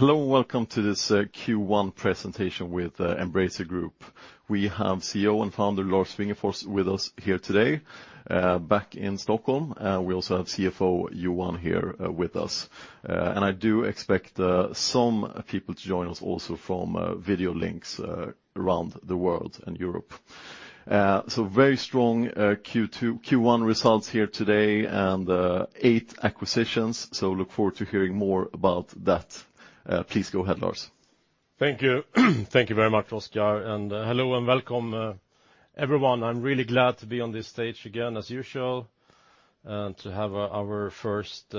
Hello, and welcome to this Q1 presentation with Embracer Group. We have CEO and founder Lars Wingefors with us here today back in Stockholm. We also have CFO Johan here with us. I do expect some people to join us also from video links around the world and Europe. Very strong Q1 results here today and eight acquisitions. Look forward to hearing more about that. Please go ahead, Lars. Thank you. Thank you very much, Oscar. Hello and welcome, everyone. I'm really glad to be on this stage again, as usual, and to have our first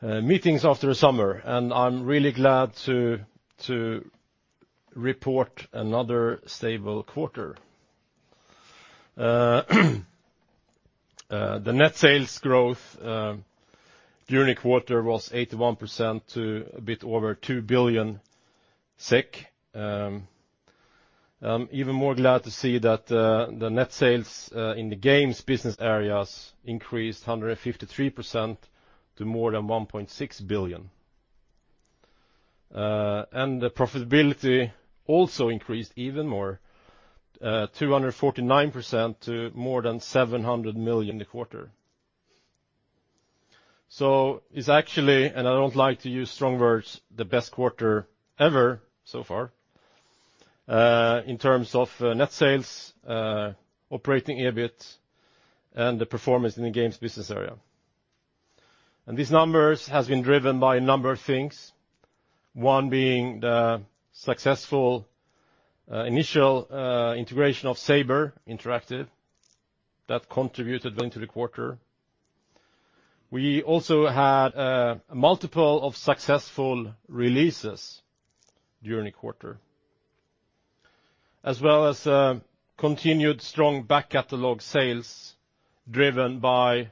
meetings after the summer. I'm really glad to report another stable quarter. The net sales growth during the quarter was 81% to a bit over 2 billion SEK. Even more glad to see that the net sales in the games business areas increased 153% to more than 1.6 billion. Profitability also increased even more, 249% to more than 700 million in the quarter. It's actually, and I don't like to use strong words, the best quarter ever so far in terms of net sales, operating EBIT, and the performance in the games business area. These numbers have been driven by a number of things, one being the successful initial integration of Saber Interactive that contributed well to the quarter. We also had a multiple of successful releases during the quarter, as well as continued strong back-catalog sales driven by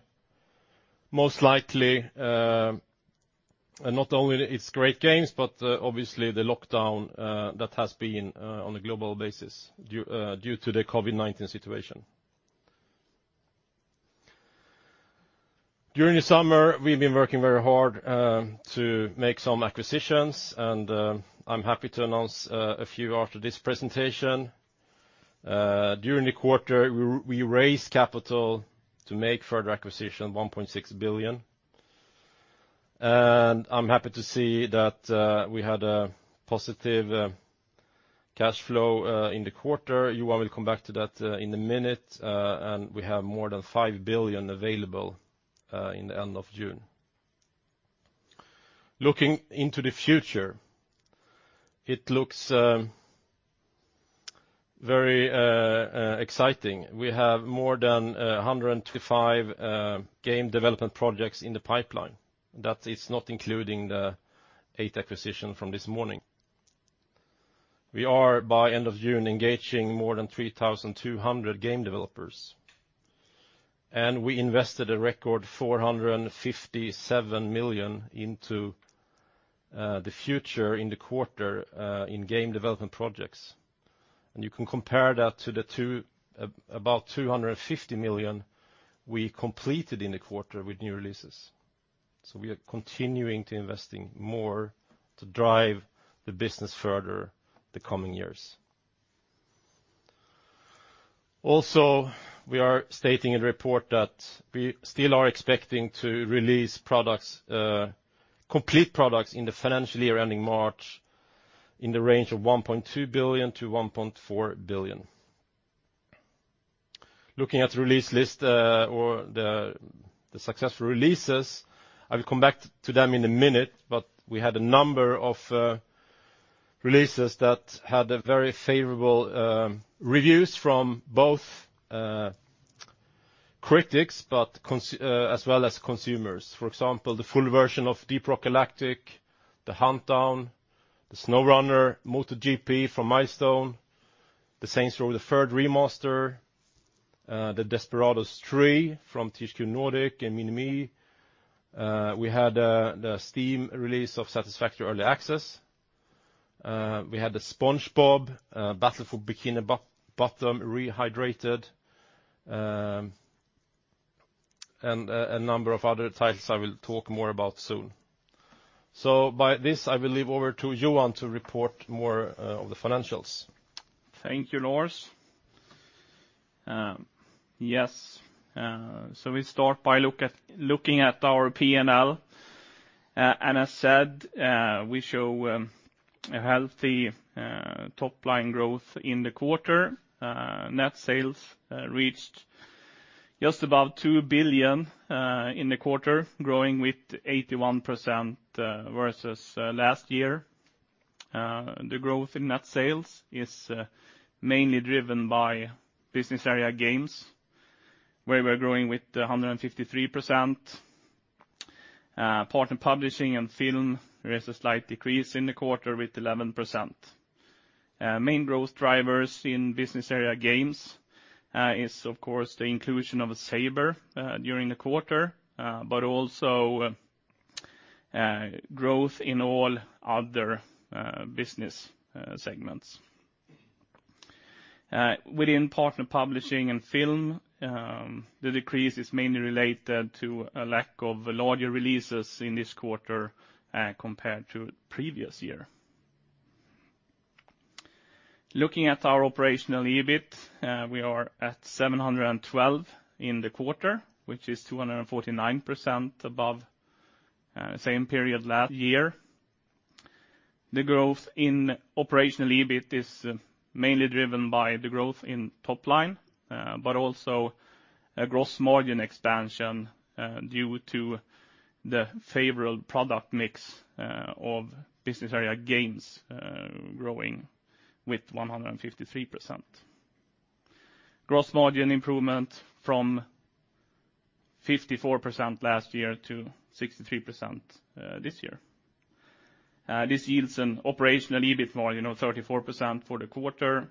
most likely not only its great games, but obviously the lockdown that has been on a global basis due to the COVID-19 situation. During the summer, we've been working very hard to make some acquisitions, and I'm happy to announce a few after this presentation. During the quarter, we raised capital to make further acquisition 1.6 billion. I'm happy to see that we had a positive cash flow in the quarter. Johan will come back to that in a minute, and we have more than 5 billion available in the end of June. Looking into the future, it looks very exciting. We have more than 125 game development projects in the pipeline. That is not including the eight acquisitions from this morning. We are, by end of June, engaging more than 3,200 game developers. We invested a record 457 million into the future in the quarter in game development projects. You can compare that to the about 250 million we completed in the quarter with new releases. We are continuing to invest more to drive the business further the coming years. Also, we are stating in the report that we still are expecting to release complete products in the financial year ending March in the range of 1.2 billion-1.4 billion. Looking at the release list or the successful releases, I will come back to them in a minute, but we had a number of releases that had very favorable reviews from both critics, as well as consumers. For example, the full version of "Deep Rock Galactic," "The Huntdown," "The SnowRunner," "MotoGP" from Milestone, "The Saints Row: The Third Remastered," the "Desperados 3" from THQ Nordic and Mimimi. We had the Steam release of "Satisfactory" early access. We had the "SpongeBob: Battle for Bikini Bottom Rehydrated," and a number of other titles I will talk more about soon. By this, I will leave over to Johan to report more of the financials. Thank you, Lars. Yes. We start by looking at our P&L. As said, we show a healthy top-line growth in the quarter. Net sales reached just above 2 billion in the quarter, growing with 81% versus last year. The growth in net sales is mainly driven by Business Area Games, where we're growing with 153%. Partner Publishing and Film, there is a slight decrease in the quarter with 11%. Main growth drivers in Business Area Games is, of course, the inclusion of Saber during the quarter but also growth in all other business segments. Within Partner Publishing and Film, the decrease is mainly related to a lack of larger releases in this quarter compared to previous year. Looking at our operational EBIT, we are at 712 in the quarter, which is 249% above same period last year. The growth in operational EBIT is mainly driven by the growth in top line, but also a gross margin expansion due to the favorable product mix of business area gains growing with 153%. Gross margin improvement from 54% last year to 63% this year. This yields an operational EBIT margin of 34% for the quarter,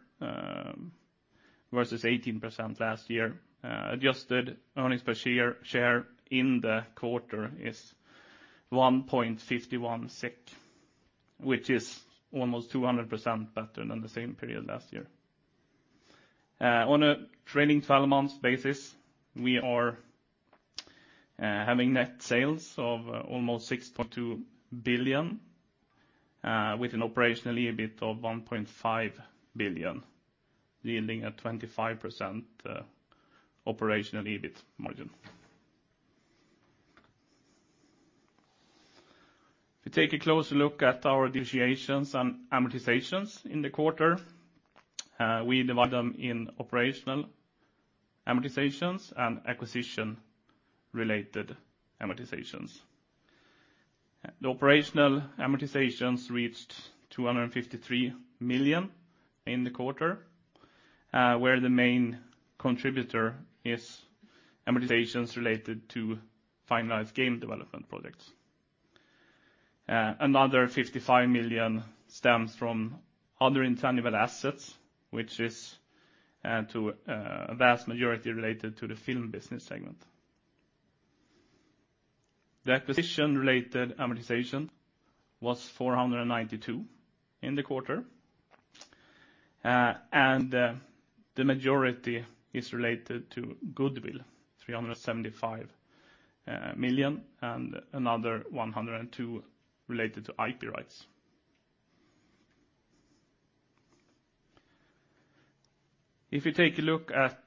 versus 18% last year. Adjusted earnings per share in the quarter is 1.51 SEK, which is almost 200% better than the same period last year. On a trailing 12 months basis, we are having net sales of almost 6.2 billion, with an operational EBIT of 1.5 billion, yielding a 25% operational EBIT margin. If we take a closer look at our depreciations and amortizations in the quarter, we divide them in operational amortizations and acquisition-related amortizations. The operational amortizations reached 253 million in the quarter, where the main contributor is amortizations related to finalized game development products. Another 55 million stems from other intangible assets, which is to a vast majority related to the film business segment. The acquisition-related amortization was 492 in the quarter, and the majority is related to goodwill, 375 million, and another 102 related to IP rights. If you take a look at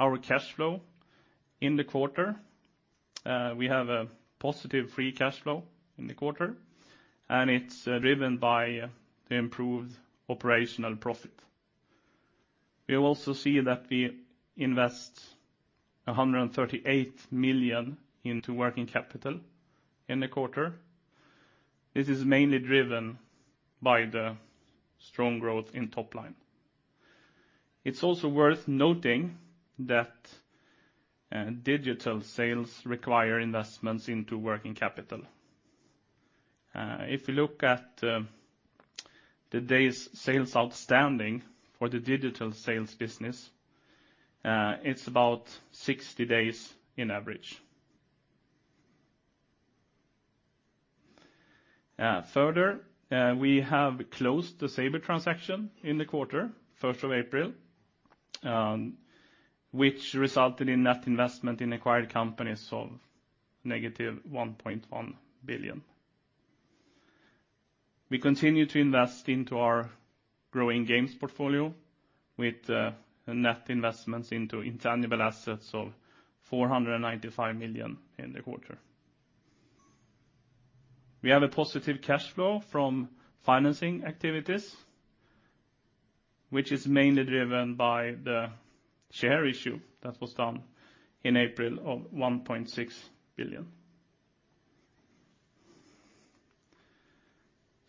our cash flow in the quarter, we have a positive free cash flow in the quarter, and it's driven by the improved operational profit. We also see that we invest 138 million into working capital in the quarter. This is mainly driven by the strong growth in top line. It's also worth noting that digital sales require investments into working capital. If you look at today's sales outstanding for the digital sales business, it's about 60 days on average. Further, we have closed the Saber transaction in the quarter, 1st of April, which resulted in net investment in acquired companies of negative 1.1 billion. We continue to invest into our growing games portfolio with net investments into intangible assets of 495 million in the quarter. We have a positive cash flow from financing activities, which is mainly driven by the share issue that was done in April of 1.6 billion.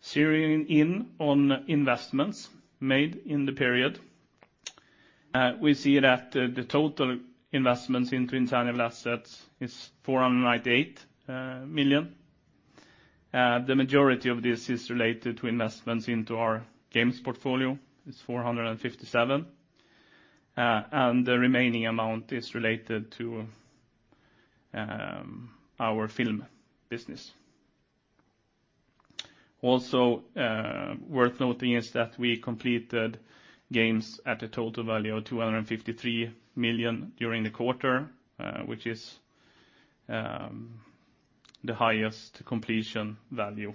Zeroing in on investments made in the period, we see that the total investments into intangible assets is 498 million. The majority of this is related to investments into our games portfolio, is 457, and the remaining amount is related to our film business. Also worth noting is that we completed games at a total value of 253 million during the quarter, which is the highest completion value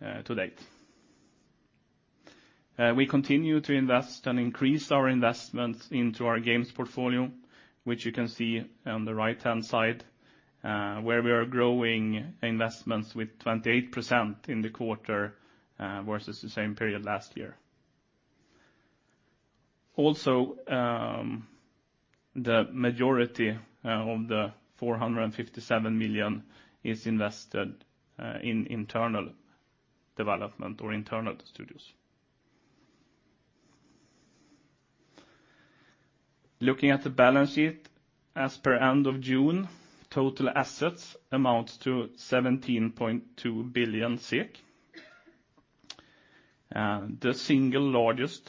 to date. We continue to invest and increase our investments into our games portfolio, which you can see on the right-hand side, where we are growing investments with 28% in the quarter versus the same period last year. The majority of 457 million is invested in internal development or internal studios. Looking at the balance sheet as per end of June, total assets amount to 17.2 billion SEK. The single largest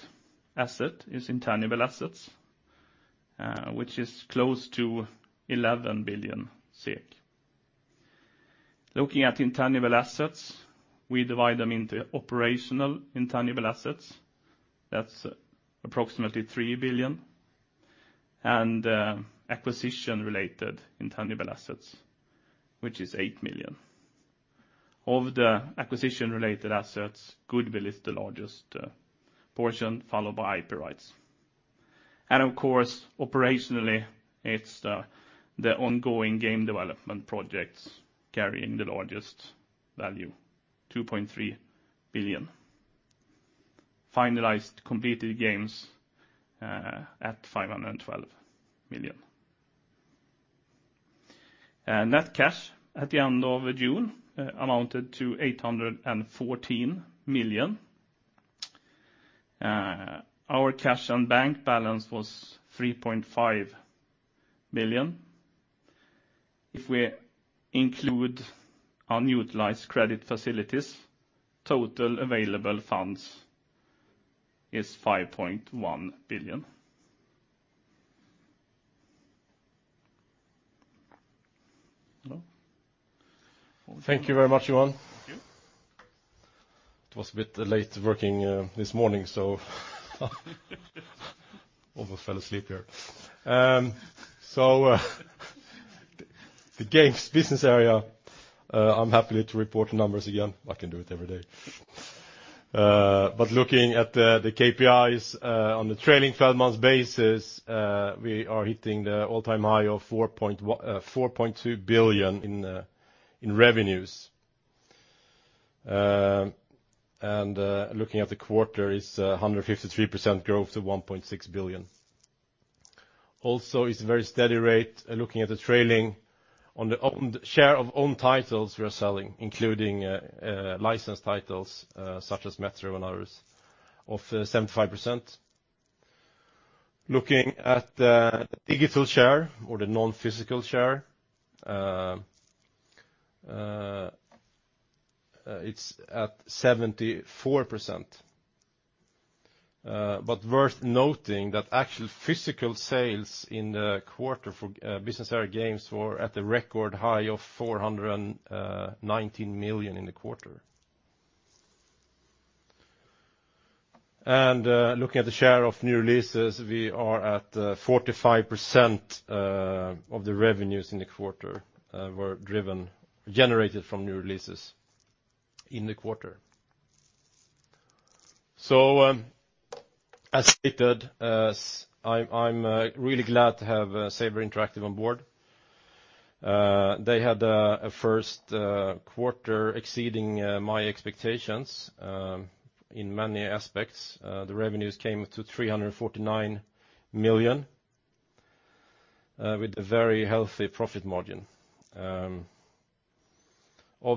asset is intangible assets, which is close to 11 billion SEK. Looking at intangible assets, we divide them into operational intangible assets. That's approximately SEK 3 billion, and acquisition-related intangible assets, which is 8 million. Of the acquisition-related assets, goodwill is the largest portion, followed by IP rights. Of course, operationally, it's the ongoing game development projects carrying the largest value, 2.3 billion. Finalized completed games at 512 million. Net cash at the end of June amounted to 814 million. Our cash and bank balance was 3.5 billion. If we include unutilized credit facilities, total available funds is SEK 5.1 billion. Hello. Thank you very much, Johan. Thank you. It was a bit late working this morning, almost fell asleep here. The games business area, I am happy to report the numbers again. I can do it every day. Looking at the KPIs on the trailing 12 months basis, we are hitting the all-time high of 4.2 billion in revenues. Looking at the quarter is 153% growth to 1.6 billion. Also, it is a very steady rate looking at the trailing on the share of own titles we are selling, including licensed titles such as "Metro" and others, of 75%. Looking at the digital share or the non-physical share, it is at 74%. Worth noting that actual physical sales in the quarter for business area games were at the record high of 419 million in the quarter. Looking at the share of new releases, we are at 45% of the revenues in the quarter were generated from new releases in the quarter. As stated, I'm really glad to have Saber Interactive on board. They had a first quarter exceeding my expectations in many aspects. The revenues came to 349 million, with a very healthy profit margin. Of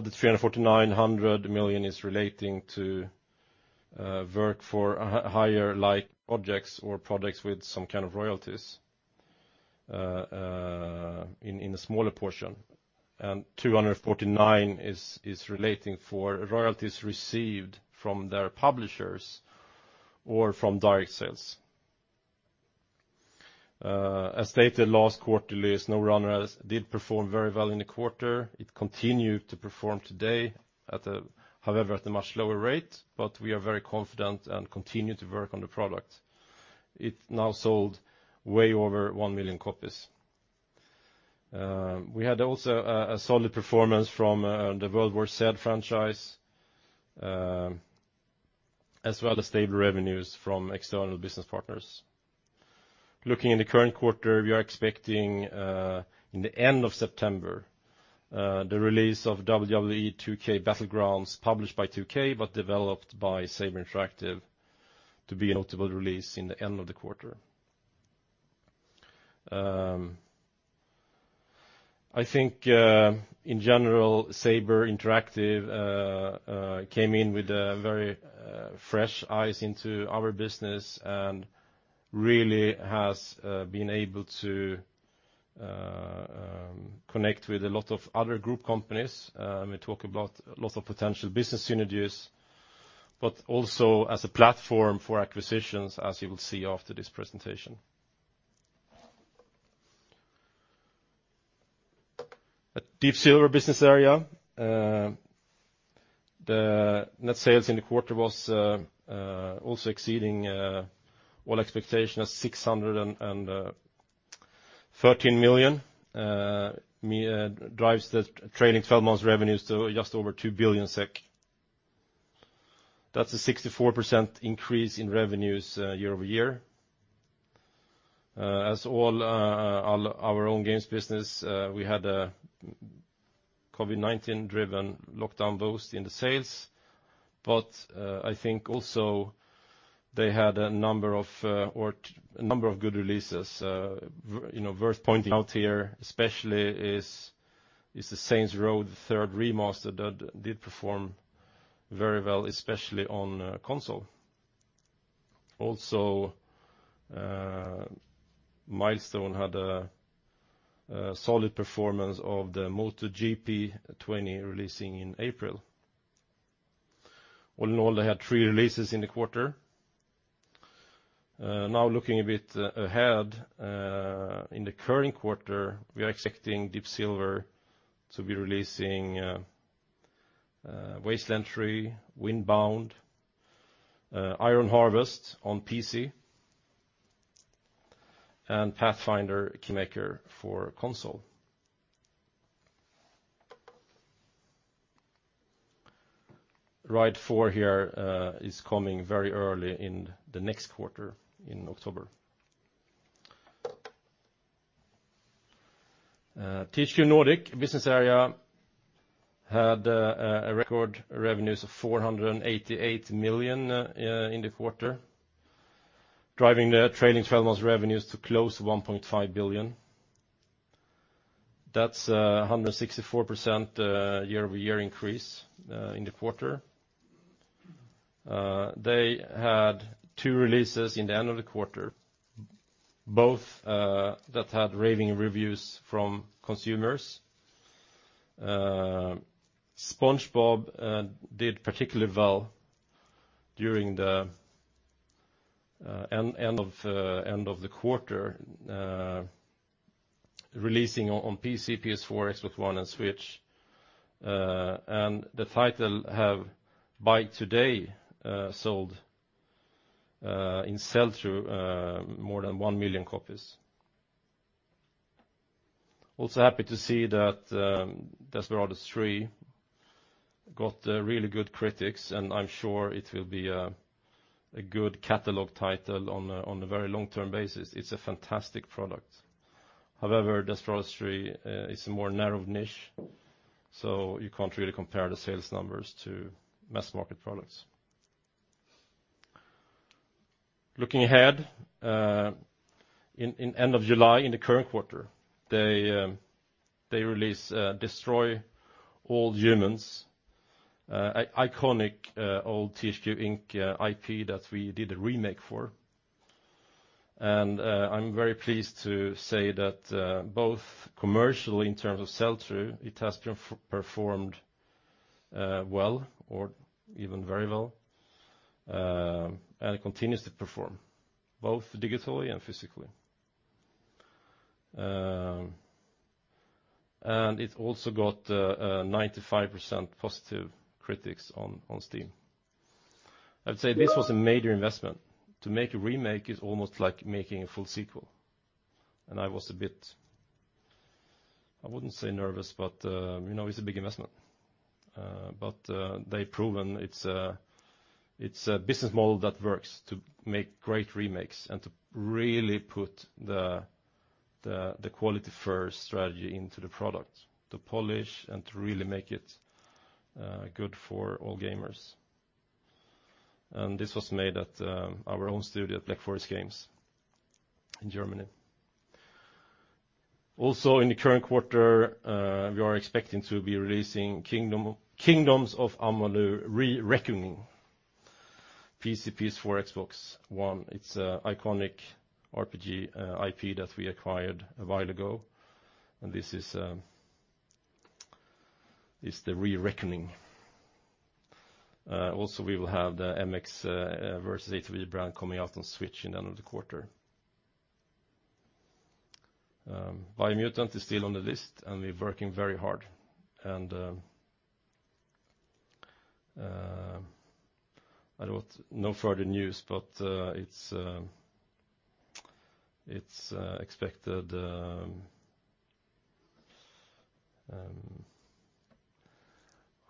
the 349, 100 million is relating to work for hire like objects or products with some kind of royalties in a smaller portion. 249 is relating for royalties received from their publishers or from direct sales. As stated last quarterly, "SnowRunner" did perform very well in the quarter. It continued to perform today, however, at a much lower rate, but we are very confident and continue to work on the product. It now sold way over 1 million copies. We had also a solid performance from the "World War Z" franchise, as well as stable revenues from external business partners. Looking in the current quarter, we are expecting, in the end of September, the release of "WWE 2K Battlegrounds," published by 2K, but developed by Saber Interactive to be a notable release in the end of the quarter. I think, in general, Saber Interactive came in with very fresh eyes into our business and really has been able to connect with a lot of other group companies. Also as a platform for acquisitions, as you will see after this presentation. At Deep Silver business area, the net sales in the quarter was also exceeding all expectation of 613 million, drives the trailing 12 months revenues to just over 2 billion SEK. That's a 64% increase in revenues year-over-year. As all our own games business, we had a COVID-19-driven lockdown boost in the sales, I think also they had a number of good releases. Worth pointing out here especially is the Saints Row Third Remaster did perform very well, especially on console. Also, Milestone had a solid performance of the MotoGP 20 releasing in April. All in all, they had three releases in the quarter. Looking a bit ahead, in the current quarter, we are expecting Deep Silver to be releasing Wasteland 3, Windbound, Iron Harvest on PC, and Pathfinder: Kingmaker for console. Ride 4 here is coming very early in the next quarter in October. THQ Nordic business area had a record revenues of 488 million in the quarter, driving the trailing 12 months revenues to close to 1.5 billion. That's 164% year-over-year increase in the quarter. They had two releases in the end of the quarter, both that had raving reviews from consumers. SpongeBob did particularly well during the end of the quarter, releasing on PC, PS4, Xbox One, and Switch. The title have by today sold in sell-through more than 1 million copies. Also happy to see that Desperados III got really good critics, and I'm sure it will be a good catalog title on a very long-term basis. It's a fantastic product. However, Desperados III is a more narrow niche, so you can't really compare the sales numbers to mass market products. Looking ahead, in end of July in the current quarter, they release Destroy All Humans!, iconic old THQ Inc. IP that we did a remake for. I'm very pleased to say that both commercial in terms of sell-through, it has performed well or even very well, and it continues to perform both digitally and physically. It also got a 95% positive critics on Steam. I'd say this was a major investment. To make a remake is almost like making a full sequel, and I was a bit, I wouldn't say nervous, but it's a big investment. They've proven it's a business model that works to make great remakes and to really put the quality-first strategy into the product, to polish and to really make it good for all gamers. This was made at our own studio, Black Forest Games in Germany. Also in the current quarter, we are expecting to be releasing Kingdoms of Amalur: Re-Reckoning, PC, PlayStation 4, Xbox One. It's an iconic RPG IP that we acquired a while ago, and this is the Re-Reckoning. We will have the MX vs. ATV brand coming out on Switch in the end of the quarter. Biomutant is still on the list, and we're working very hard. No further news, but it's expected.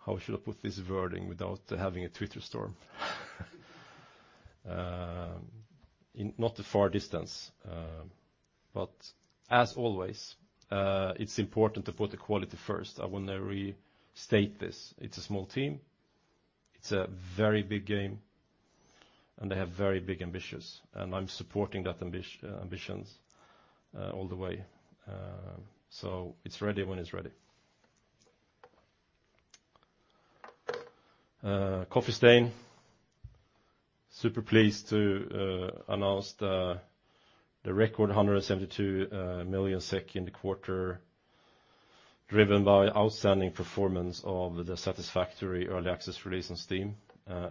How should I put this wording without having a Twitter storm? In not a far distance. As always, it's important to put the quality first. I want to restate this. It's a small team, it's a very big game, and they have very big ambitions, and I'm supporting that ambitions all the way. It's ready when it's ready. Coffee Stain, super pleased to announce the record 172 million SEK in the quarter, driven by outstanding performance of the Satisfactory early access release on Steam,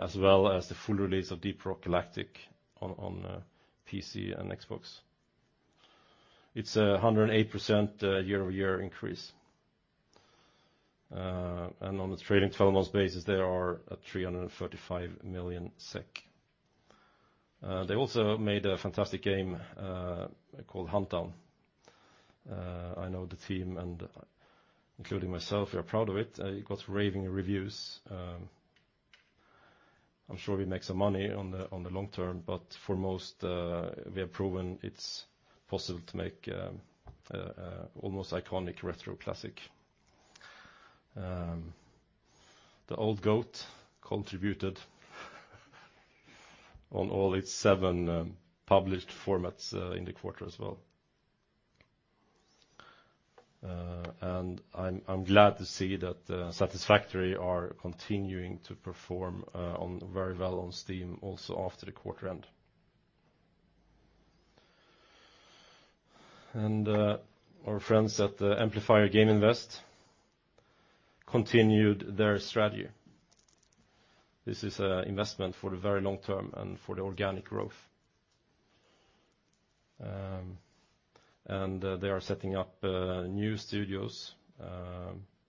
as well as the full release of Deep Rock Galactic on PC and Xbox. It's 108% year-over-year increase. On the trailing 12 months basis, they are at 335 million SEK. They also made a fantastic game called Huntdown. I know the team, and including myself, we are proud of it. It got raving reviews. I'm sure we make some money on the long term, but for most, we have proven it's possible to make almost iconic retro classic. The Old Goat contributed on all its seven published formats in the quarter as well. I'm glad to see that Satisfactory are continuing to perform very well on Steam also after the quarter end. Our friends at the Amplifier Game Invest continued their strategy. This is an investment for the very long term and for the organic growth. They are setting up new studios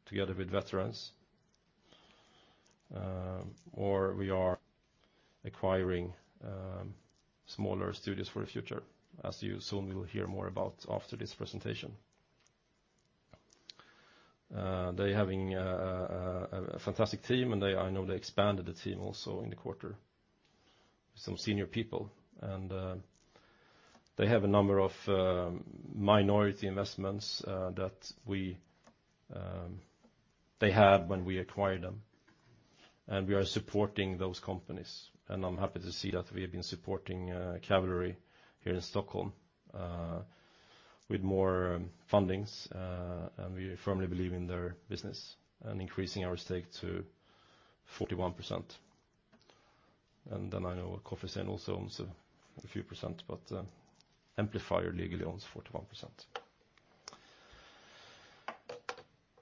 together with veterans, or we are acquiring smaller studios for the future, as you soon will hear more about after this presentation. They're having a fantastic team, and I know they expanded the team also in the quarter, some senior people. They have a number of minority investments that they had when we acquired them. We are supporting those companies. I'm happy to see that we have been supporting Kavalri here in Stockholm with more fundings, and we firmly believe in their business and increasing our stake to 41%. I know Klemens also owns a few percent, but Amplifier legally owns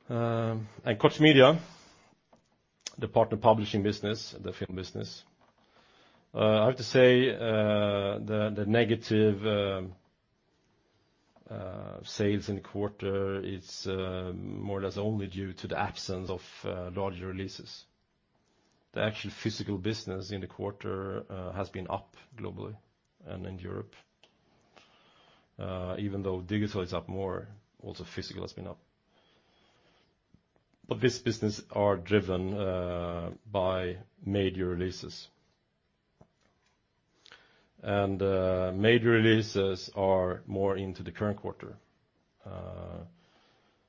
41%. Koch Media, the partner publishing business, the film business. I have to say, the negative sales in the quarter is more or less only due to the absence of larger releases. The actual physical business in the quarter has been up globally and in Europe. Even though digital is up more, also physical has been up. This business are driven by major releases. Major releases are more into the current quarter,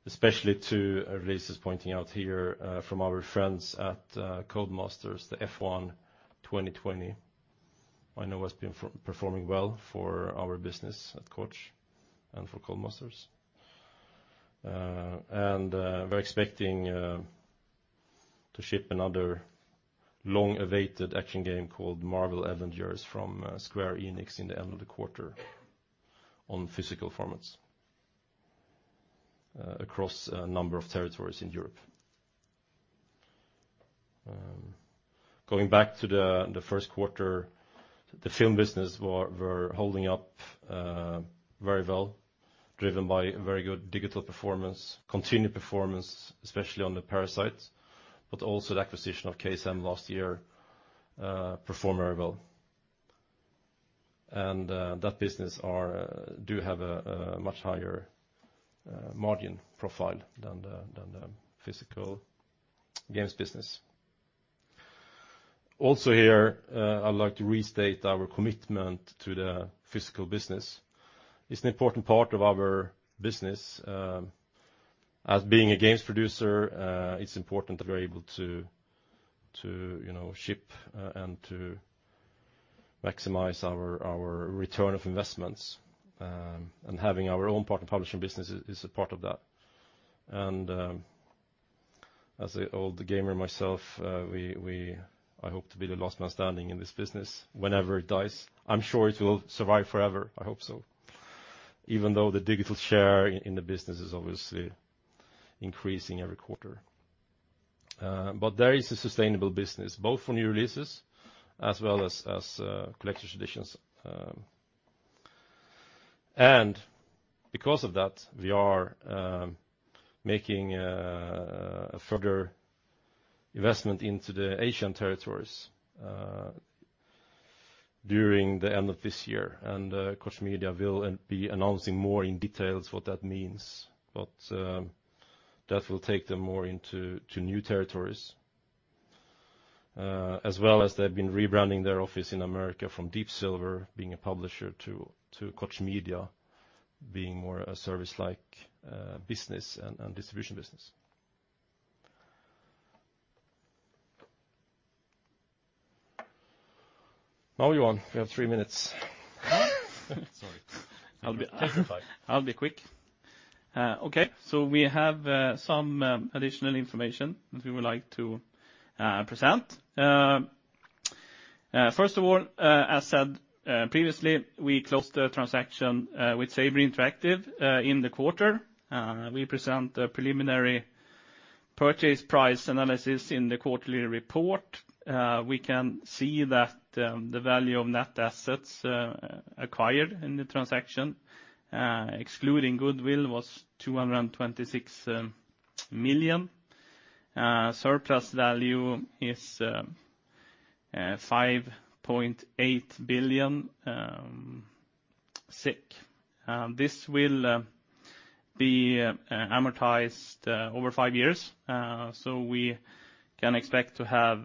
especially two releases pointing out here from our friends at Codemasters, the "F1 2020," I know has been performing well for our business at Koch, and for Codemasters. We're expecting to ship another long-awaited action game called "Marvel's Avengers" from Square Enix in the end of the quarter on physical formats across a number of territories in Europe. Going back to the first quarter, the film business were holding up very well, driven by very good digital performance, continued performance, especially on the Parasite, but also the acquisition of KSM last year performed very well. That business do have a much higher margin profile than the physical games business. Also here, I'd like to restate our commitment to the physical business. It's an important part of our business. As being a games producer, it's important that we're able to ship and to maximize our return of investments, and having our own part in publishing business is a part of that. As an old gamer myself, I hope to be the last man standing in this business whenever it dies. I'm sure it will survive forever. I hope so. Even though the digital share in the business is obviously increasing every quarter. There is a sustainable business, both for new releases as well as collectors editions. Because of that, we are making a further investment into the Asian territories during the end of this year. Koch Media will be announcing more in detail what that means. That will take them more into new territories, as well as they've been rebranding their office in America from Deep Silver being a publisher to Koch Media being more a service-like business and distribution business. Now, Johan, we have three minutes. Sorry. I'll be quick. I'll be quick. Okay. We have some additional information which we would like to present. First of all, as said previously, we closed the transaction with Saber Interactive in the quarter. We present a preliminary purchase price analysis in the quarterly report. We can see that the value of net assets acquired in the transaction excluding goodwill was 226 million. Surplus value is 5.8 billion. This will be amortized over five years. We can expect to have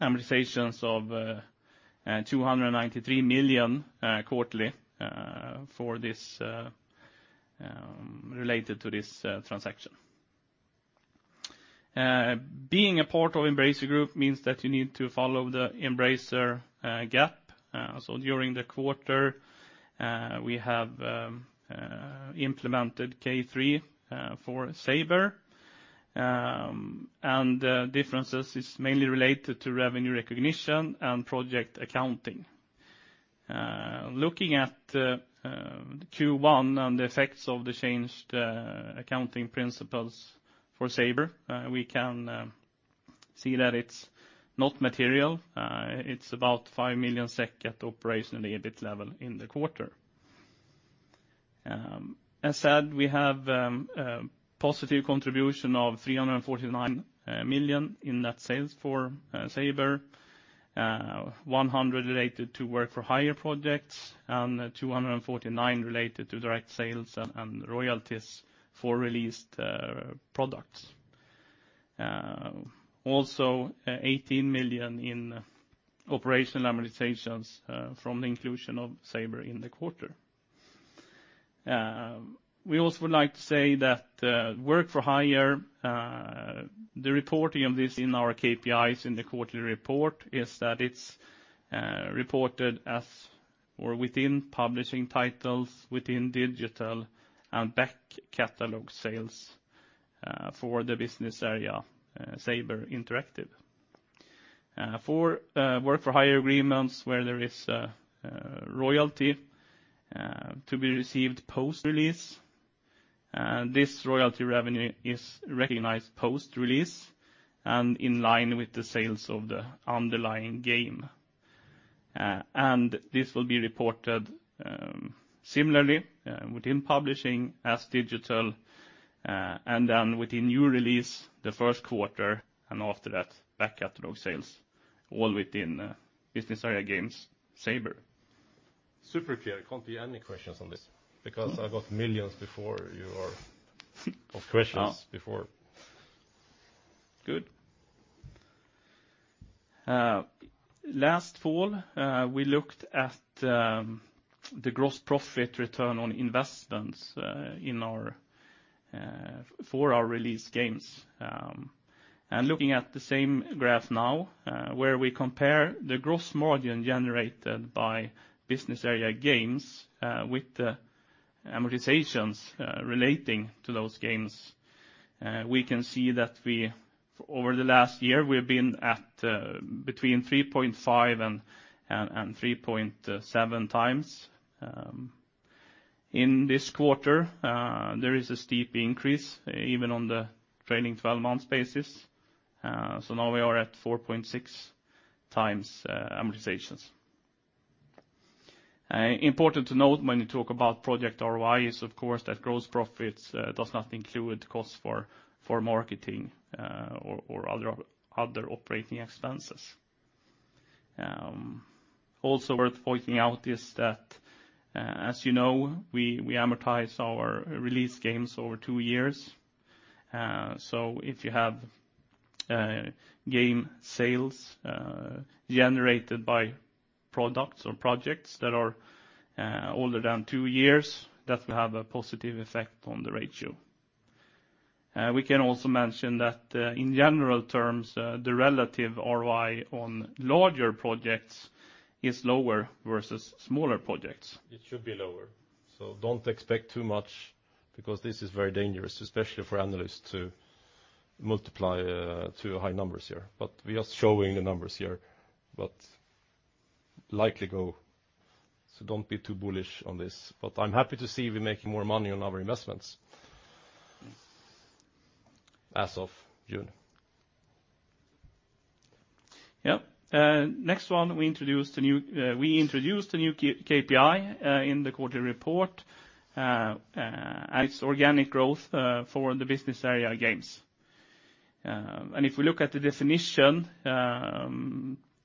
amortizations of 293 million quarterly related to this transaction. Being a part of Embracer Group means that you need to follow the Embracer GAAP. During the quarter, we have implemented K3 for Saber. And differences is mainly related to revenue recognition and project accounting. Looking at Q1 and the effects of the changed accounting principles for Saber, we can see that it's not material. It's about 5 million SEK at operational EBIT level in the quarter. As said, we have a positive contribution of 349 million in net sales for Saber, 100 million related to work-for-hire projects, and 249 million related to direct sales and royalties for released products. SEK 18 million in operational amortizations from the inclusion of Saber in the quarter. We also would like to say that work-for-hire, the reporting of this in our KPIs in the quarterly report is that it's reported as or within publishing titles, within digital, and back catalog sales for the business area, Saber Interactive. For work-for-hire agreements where there is a royalty to be received post-release, this royalty revenue is recognized post-release and in line with the sales of the underlying game. This will be reported similarly within publishing as digital, and then with the new release the first quarter, and after that, back catalog sales, all within business area games, Saber. Super clear. Can't be any questions on this because I've got millions of questions before. Good. Last fall, we looked at the gross profit return on investments for our released games. Looking at the same graph now, where we compare the gross margin generated by business area games with the amortizations relating to those games, we can see that over the last year, we've been at between 3.5 and 3.7 times. In this quarter, there is a steep increase, even on the trailing 12 months basis. Now we are at 4.6 times amortizations. Important to note when you talk about project ROI is, of course, that gross profits does not include costs for marketing or other operating expenses. Also worth pointing out is that, as you know, we amortize our released games over two years. If you have game sales generated by products or projects that are older than two years, that will have a positive effect on the ratio. We can also mention that in general terms, the relative ROI on larger projects is lower versus smaller projects. It should be lower. Don't expect too much because this is very dangerous, especially for analysts to multiply two high numbers here. We are showing the numbers here. Don't be too bullish on this. I'm happy to see we're making more money on our investments as of June. Yeah. Next one, we introduced a new KPI in the quarterly report. It's organic growth for the business area games. If we look at the definition,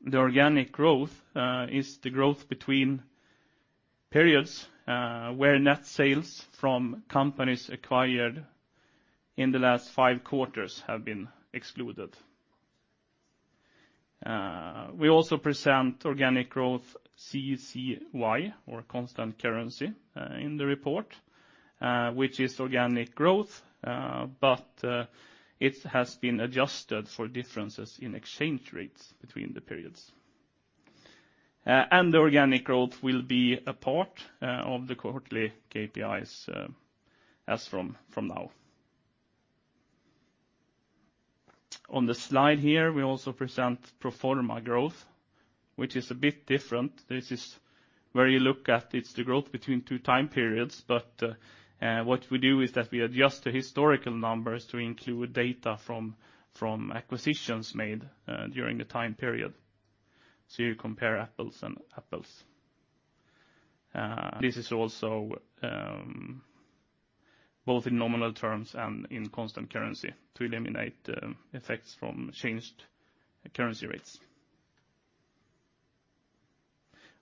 the organic growth is the growth between periods where net sales from companies acquired in the last five quarters have been excluded. We also present organic growth CCY, or constant currency, in the report, which is organic growth. It has been adjusted for differences in exchange rates between the periods. The organic growth will be a part of the quarterly KPIs as from now. On the slide here, we also present pro forma growth, which is a bit different. This is where you look at it's the growth between two time periods. What we do is that we adjust the historical numbers to include data from acquisitions made during the time period. You compare apples and apples. This is also both in nominal terms and in constant currency to eliminate effects from changed currency rates.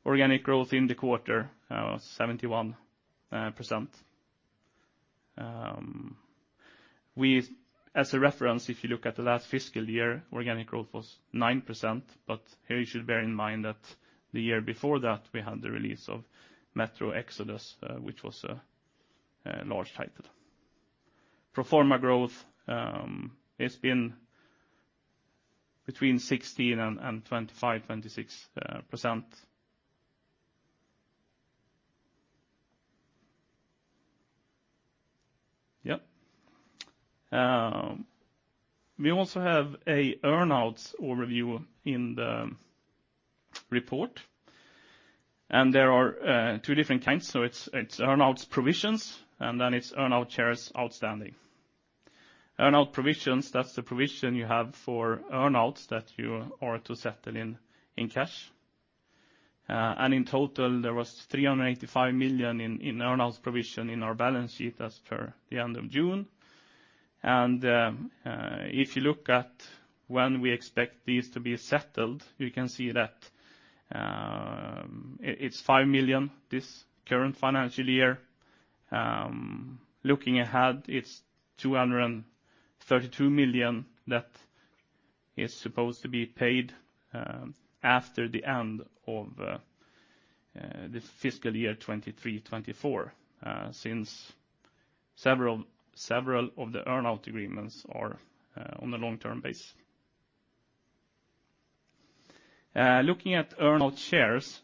Organic growth in the quarter was 71%. As a reference, if you look at the last fiscal year, organic growth was 9%. Here you should bear in mind that the year before that, we had the release of Metro Exodus, which was a large title. Pro forma growth, it's been between 16% and 25%, 26%. Yep. We also have a earnouts overview in the report. There are two different kinds. It's earnouts provisions, and then it's earnout shares outstanding. Earnout provisions, that's the provision you have for earnouts that you are to settle in cash. In total there was 385 million in earnouts provision in our balance sheet as per the end of June. If you look at when we expect these to be settled, you can see that it's 5 million this current financial year. Looking ahead, it's 232 million that is supposed to be paid after the end of this fiscal year 2023-2024, since several of the earnout agreements are on the long-term base. Looking at earnout shares,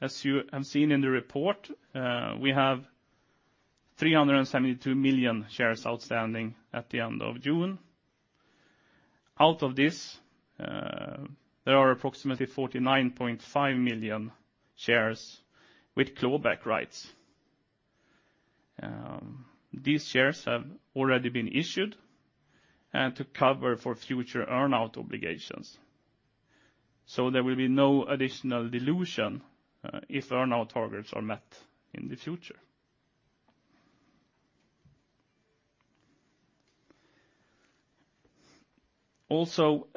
as you have seen in the report, we have 372 million shares outstanding at the end of June. Out of this, there are approximately 49.5 million shares with clawback rights. These shares have already been issued and to cover for future earnout obligations. There will be no additional dilution if earnout targets are met in the future. Also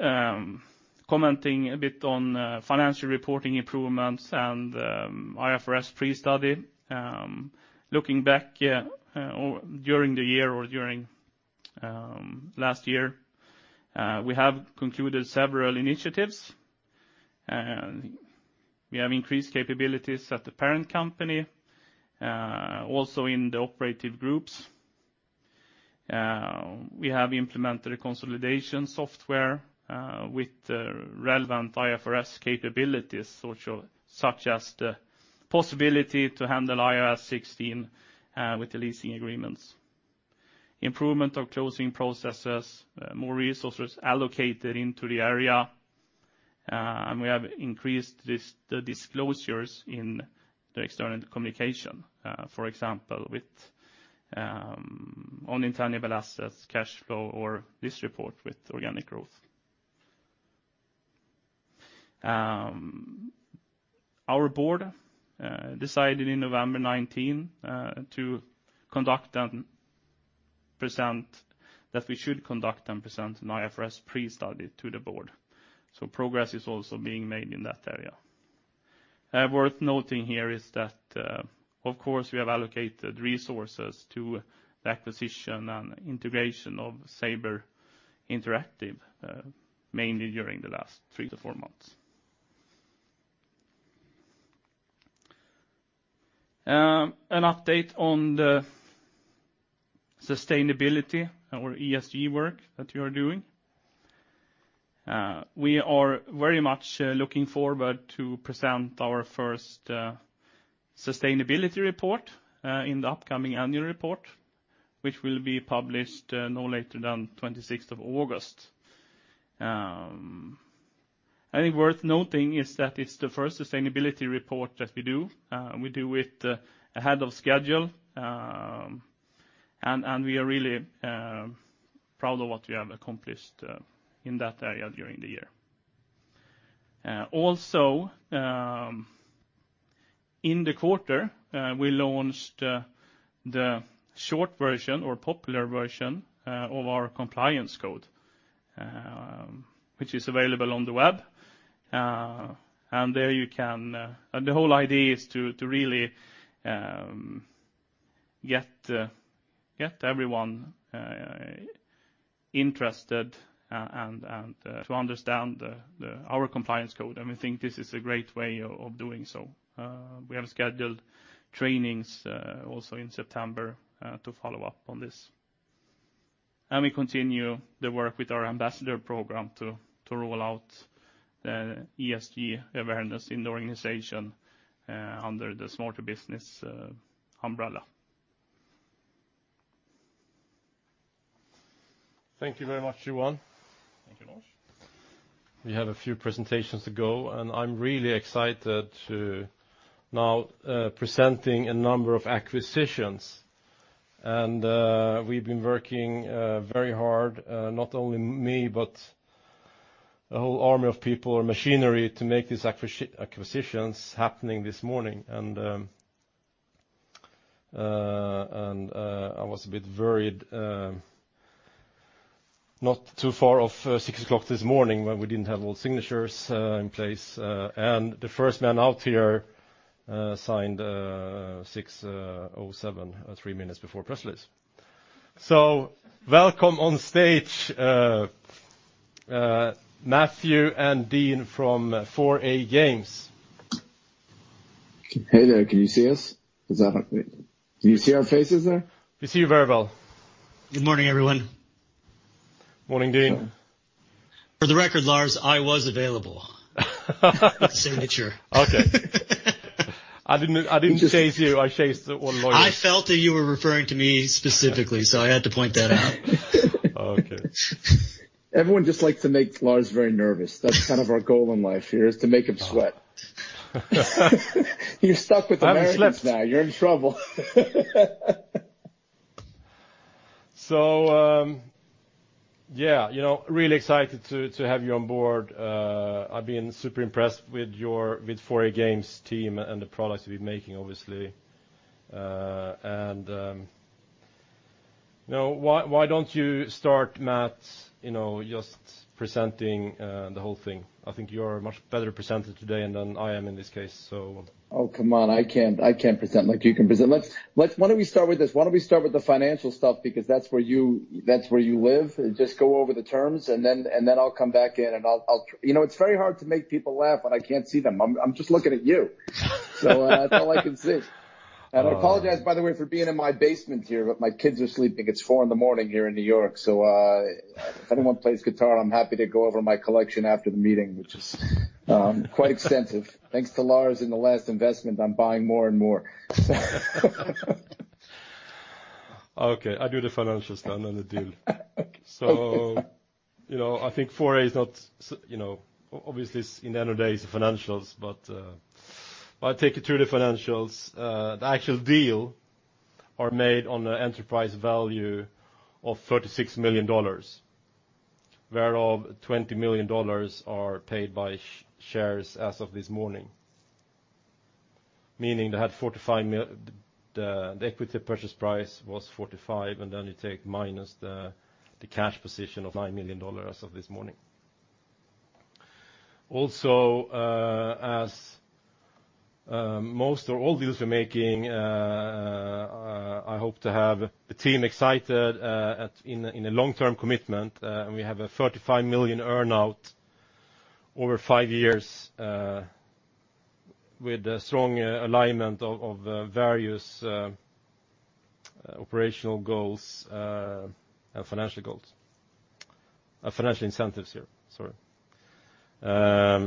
commenting a bit on financial reporting improvements and IFRS pre-study. Looking back during the year or during last year, we have concluded several initiatives, and we have increased capabilities at the parent company, also in the operative groups. We have implemented a consolidation software with relevant IFRS capabilities, such as the possibility to handle IFRS 16 with the leasing agreements, improvement of closing processes, more resources allocated into the area, and we have increased the disclosures in the external communication. For example, with intangible assets, cash flow, or this report with organic growth. Our board decided in November 2019 that we should conduct and present an IFRS pre-study to the board. Progress is also being made in that area. Worth noting here is that, of course, we have allocated resources to the acquisition and integration of Saber Interactive, mainly during the last three to four months. An update on the sustainability, our ESG work that we are doing. We are very much looking forward to present our first sustainability report in the upcoming annual report, which will be published no later than 26th August. I think worth noting is that it's the first sustainability report that we do, and we do it ahead of schedule, and we are really proud of what we have accomplished in that area during the year. Also, in the quarter, we launched the short version or popular version of our compliance code, which is available on the web. The whole idea is to really get everyone interested and to understand our compliance code, and we think this is a great way of doing so. We have scheduled trainings also in September to follow up on this. We continue the work with our ambassador program to roll out the ESG awareness in the organization under the smarter business umbrella. Thank you very much, Johan. Thank you, Lars. We have a few presentations to go, and I'm really excited to now presenting a number of acquisitions. We've been working very hard, not only me, but a whole army of people or machinery to make these acquisitions happening this morning. I was a bit worried not too far off 6:00 A.M. this morning when we didn't have all signatures in place. The first man out here signed 6:07 A.M., three minutes before press release. Welcome on stage Matthew and Dean from 4A Games. Hey there. Can you see us? Can you see our faces there? We see you very well. Good morning, everyone. Morning, Dean. For the record, Lars, I was available. Signature. Okay. I didn't chase you. I chased the one lawyer. I felt that you were referring to me specifically, so I had to point that out. Okay. Everyone just likes to make Lars very nervous. That's kind of our goal in life here is to make him sweat. You're stuck with Americans now. I'm sweating. You're in trouble. Yeah. Really excited to have you on board. I've been super impressed with 4A Games team and the products we're making, obviously. Why don't you start, Matt, just presenting the whole thing? I think you're a much better presenter today than I am in this case. Oh, come on. I can't present like you can present. Why don't we start with this? Why don't we start with the financial stuff because that's where you live, and just go over the terms, and then I'll come back in. It's very hard to make people laugh when I can't see them. I'm just looking at you. That's all I can see. I apologize, by the way, for being in my basement here, but my kids are sleeping. It's 4:00 A.M. in the morning here in N.Y. If anyone plays guitar, I'm happy to go over my collection after the meeting, which is quite extensive. Thanks to Lars and the last investment, I'm buying more and more. I do the financial stuff and then the deal. Obviously at the end of the day it's the financials, but I'll take you through the financials. The actual deal are made on the enterprise value of $36 million, whereof $20 million are paid by shares as of this morning, meaning the equity purchase price was $45, and then you take minus the cash position of $9 million as of this morning. As most or all deals we're making, I hope to have the team excited in a long-term commitment. We have a $35 million earn-out over five years with a strong alignment of various operational goals, financial goals, financial incentives here, sorry.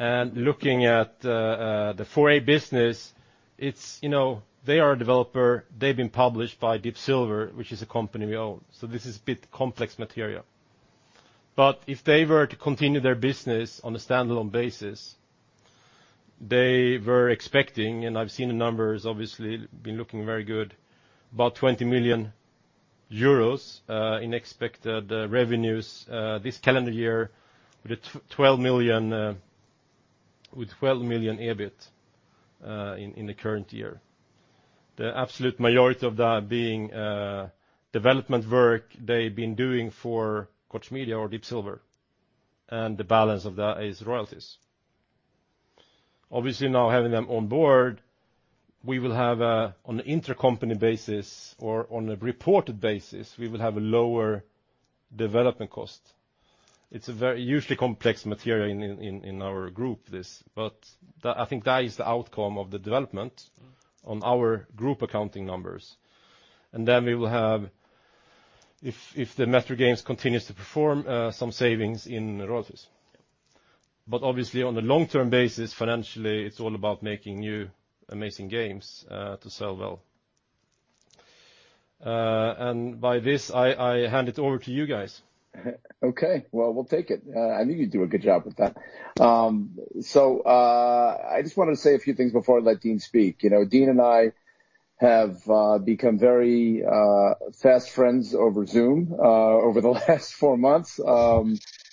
Looking at the 4A business, they are a developer. They've been published by Deep Silver, which is a company we own. This is a bit complex material. If they were to continue their business on a standalone basis, they were expecting, and I've seen the numbers obviously been looking very good, about 20 million euros in expected revenues this calendar year with 12 million EBIT in the current year. The absolute majority of that being development work they've been doing for Koch Media or Deep Silver, and the balance of that is royalties. Obviously, now having them on board, on an intercompany basis or on a reported basis, we will have a lower development cost. It's a very usually complex material in our group. I think that is the outcome of the development on our group accounting numbers. We will have, if the Metro Games continues to perform, some savings in royalties. Obviously, on a long-term basis, financially, it's all about making new amazing games to sell well. By this, I hand it over to you guys. We'll take it. I think you do a good job with that. I just want to say a few things before I let Dean speak. Dean and I have become very fast friends over Zoom over the last four months.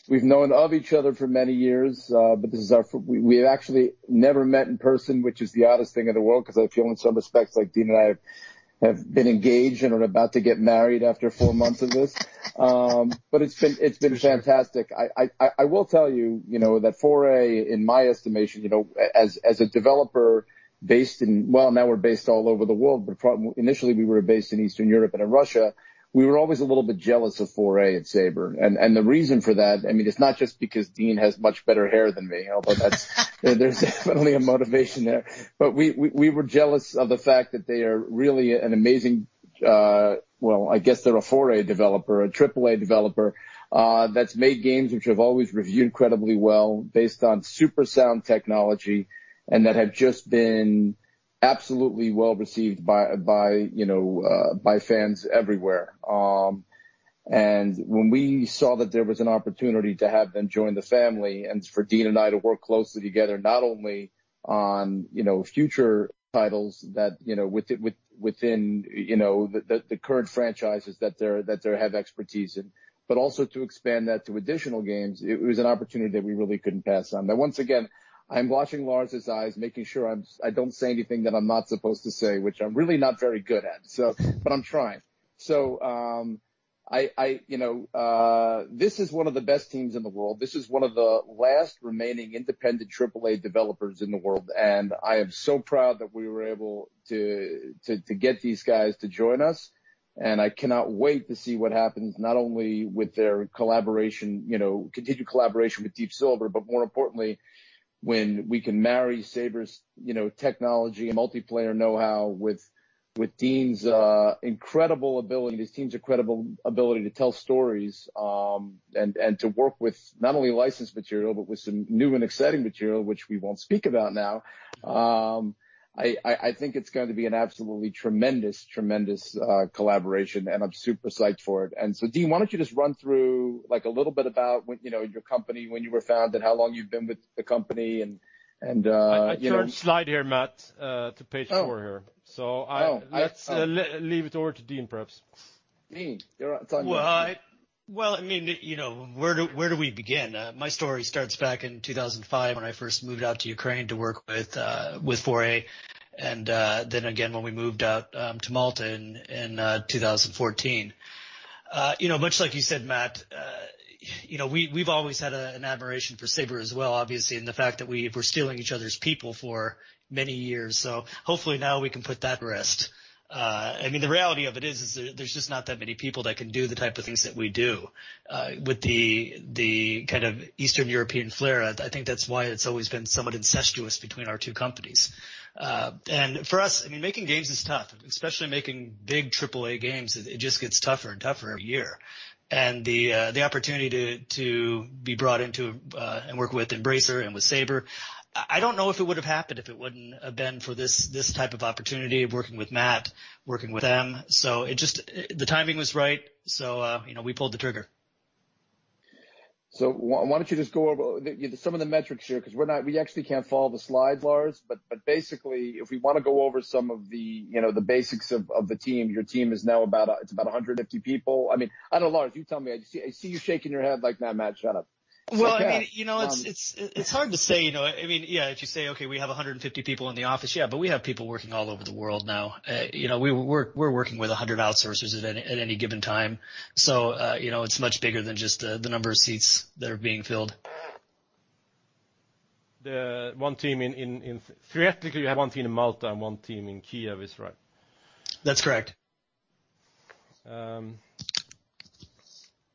We've known of each other for many years, we've actually never met in person, which is the oddest thing in the world because I feel in some respects like Dean and I have been engaged and are about to get married after four months of this. It's been fantastic. I will tell you that 4A, in my estimation, as a developer now we're based all over the world, initially we were based in Eastern Europe and in Russia. We were always a little bit jealous of 4A at Saber. The reason for that, it's not just because Dean has much better hair than me, although there's definitely a motivation there, but we were jealous of the fact that they are really Well, I guess they're a 4A developer, a AAA developer that's made games which have always reviewed incredibly well, based on 4A engine technology, and that have just been absolutely well-received by fans everywhere. When we saw that there was an opportunity to have them join the family and for Dean and I to work closely together, not only on future titles within the current franchises that they have expertise in, but also to expand that to additional games, it was an opportunity that we really couldn't pass on. Once again, I'm watching Lars' eyes, making sure I don't say anything that I'm not supposed to say, which I'm really not very good at. I'm trying. This is one of the best teams in the world. This is one of the last remaining independent AAA developers in the world, and I am so proud that we were able to get these guys to join us, and I cannot wait to see what happens, not only with their continued collaboration with Deep Silver, but more importantly, when we can marry Saber's technology and multiplayer know-how with Dean's incredible ability, this team's incredible ability to tell stories, and to work with not only licensed material, but with some new and exciting material, which we won't speak about now. I think it's going to be an absolutely tremendous collaboration, and I'm super psyched for it. Dean, why don't you just run through a little bit about your company, when you were founded, how long you've been with the company? I turned slide here, Matt, to page four here. Let's leave it over to Dean, perhaps. Dean, your time here. Where do we begin? My story starts back in 2005 when I first moved out to Ukraine to work with 4A, and then again when we moved out to Malta in 2014. Much like you said, Matt, we've always had an admiration for Saber as well, obviously, and the fact that we were stealing each other's people for many years. Hopefully now we can put that to rest. I mean, the reality of it is, there's just not that many people that can do the type of things that we do with the Eastern European flair. I think that's why it's always been somewhat incestuous between our two companies. For us, making games is tough, especially making big AAA games. It just gets tougher and tougher every year. The opportunity to be brought in to and work with Embracer and with Saber, I don't know if it would've happened if it wouldn't have been for this type of opportunity of working with Matt, working with them. The timing was right, so we pulled the trigger. Why don't you just go over some of the metrics here, because we actually can't follow the slides, Lars. Basically, if we want to go over some of the basics of the team, your team is now about 150 people. I don't know, Lars, you tell me. I see you shaking your head like, "Nah, Matt, shut up." Yeah. Well, it's hard to say. If you say, okay, we have 150 people in the office, yeah, we have people working all over the world now. We're working with 100 outsourcers at any given time. It's much bigger than just the number of seats that are being filled. Theoretically, you have one team in Malta and one team in Kiev, is right? That's correct.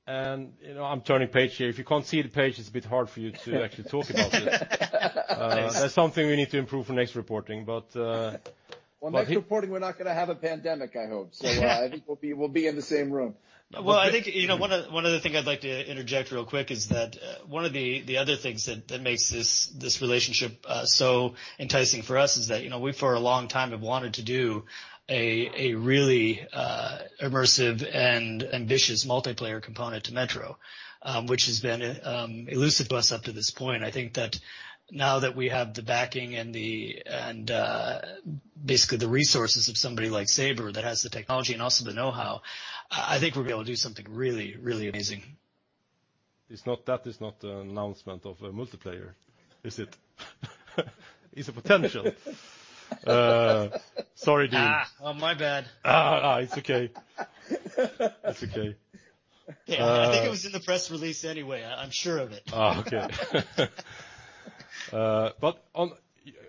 I'm turning page here. If you can't see the page, it's a bit hard for you to actually talk about this. That's something we need to improve for next reporting. On next reporting, we're not going to have a pandemic, I hope. I think we'll be in the same room. Well, I think one other thing I'd like to interject real quick is that one of the other things that makes this relationship so enticing for us is that we, for a long time, have wanted to do a really immersive and ambitious multiplayer component to Metro, which has been elusive to us up to this point. I think that now that we have the backing and basically the resources of somebody like Saber that has the technology and also the know-how, I think we'll be able to do something really, really amazing. That is not an announcement of a multiplayer, is it? It's a potential. Sorry, Dean. Oh, my bad. It's okay. Yeah. I think it was in the press release anyway. I'm sure of it. Okay.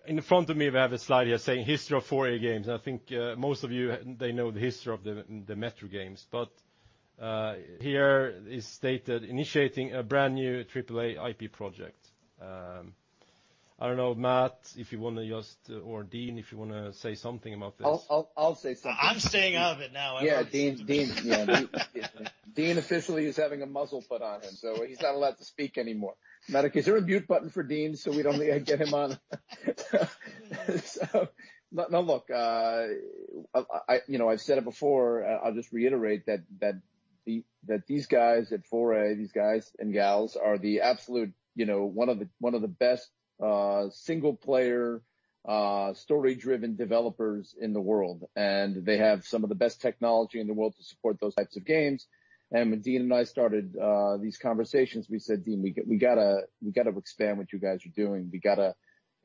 In front of me, we have a slide here saying history of 4A Games, and I think most of you, they know the history of the Metro games. Here is stated, initiating a brand-new AAA IP project. I don't know, Matt, if you want to just, or Dean, if you want to say something about this. I'll say something. I'm staying out of it now. Dean officially is having a muzzle put on him, so he's not allowed to speak anymore. Is there a mute button for Dean so we don't get him on? Look, I've said it before, I'll just reiterate that these guys at 4A, these guys and gals are one of the best single-player, story-driven developers in the world, and they have some of the best technology in the world to support those types of games. When Dean and I started these conversations, we said, "Dean, we got to expand what you guys are doing. We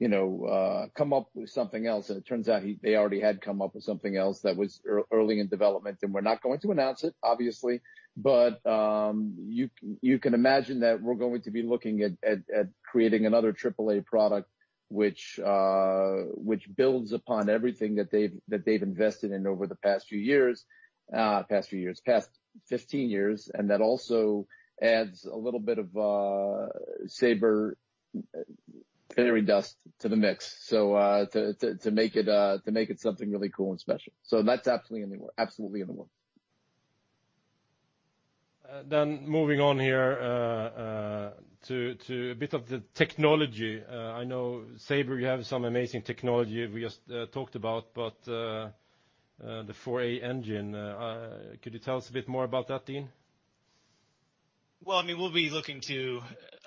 got to come up with something else." It turns out they already had come up with something else that was early in development, and we're not going to announce it, obviously. You can imagine that we're going to be looking at creating another AAA product which builds upon everything that they've invested in over the past 15 years, and that also adds a little bit of Saber fairy dust to the mix, to make it something really cool and special. That's absolutely in the works. Moving on here to a bit of the technology. I know Saber, you have some amazing technology we just talked about, but the 4A engine, could you tell us a bit more about that, Dean? Well,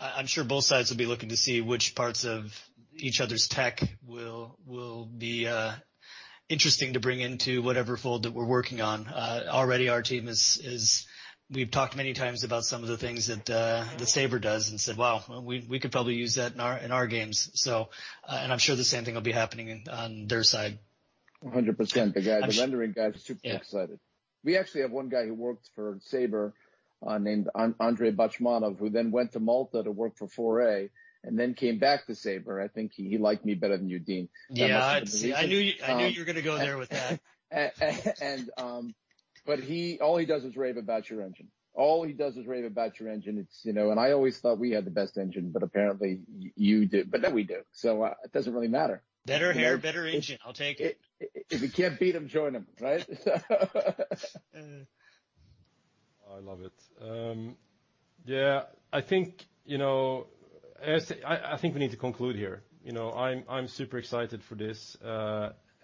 I'm sure both sides will be looking to see which parts of each other's tech will be interesting to bring into whatever fold that we're working on. Already our team We've talked many times about some of the things that Saber does and said, "Wow, we could probably use that in our games." I'm sure the same thing will be happening on their side. 100%. The rendering guy was super excited. We actually have one guy who worked for Saber, named Andre Bachmanov, who then went to Malta to work for 4A, and then came back to Saber. I think he liked me better than you, Dean. Yeah. I knew you were going to go there with that. All he does is rave about your engine. All he does is rave about your engine, and I always thought we had the best engine, but apparently you do. Then we do, so it doesn't really matter. Better hair, better engine. I'll take it. If you can't beat them, join them, right? I love it. I think we need to conclude here. I'm super excited for this,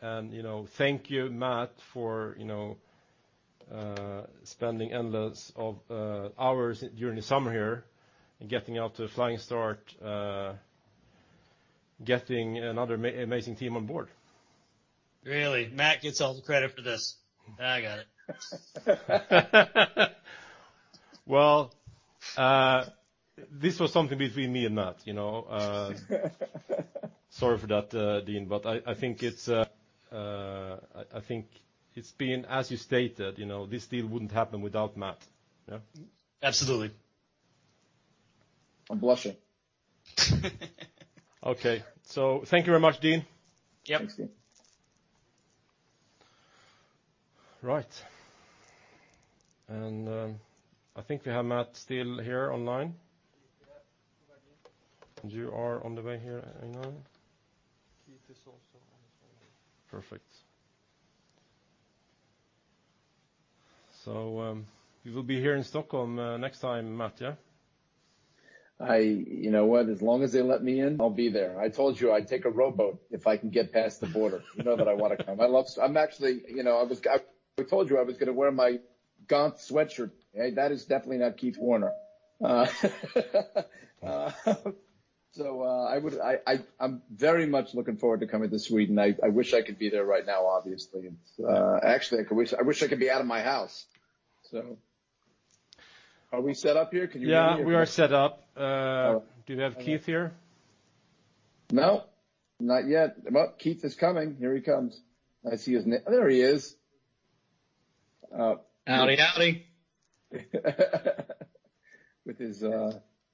and thank you, Matt, for spending endless of hours during the summer here and getting off to a flying start, getting another amazing team on board. Really? Matt gets all the credit for this. I got it. This was something between me and Matt. Sorry for that, Dean, but I think it's been as you stated, this deal wouldn't happen without Matt, yeah? Absolutely. I'm blushing. Okay. Thank you very much, Dean. Yep. Thanks, Dean. Right. I think we have Matt still here online. Yeah. You are on the way here right now. Keith is also on his way. Perfect. You will be here in Stockholm next time, Matt, yeah? You know what? As long as they let me in, I'll be there. I told you I'd take a rowboat if I can get past the border. You know that I want to come. I told you I was going to wear my Gant sweatshirt. That is definitely not Keith Warner. I'm very much looking forward to coming to Sweden. I wish I could be there right now, obviously. Actually, I wish I could be out of my house. Are we set up here? Can you hear me? Yeah, we are set up. Do we have Keith here? No, not yet. Keith is coming. Here he comes. I see his name. There he is. Howdy, howdy. With his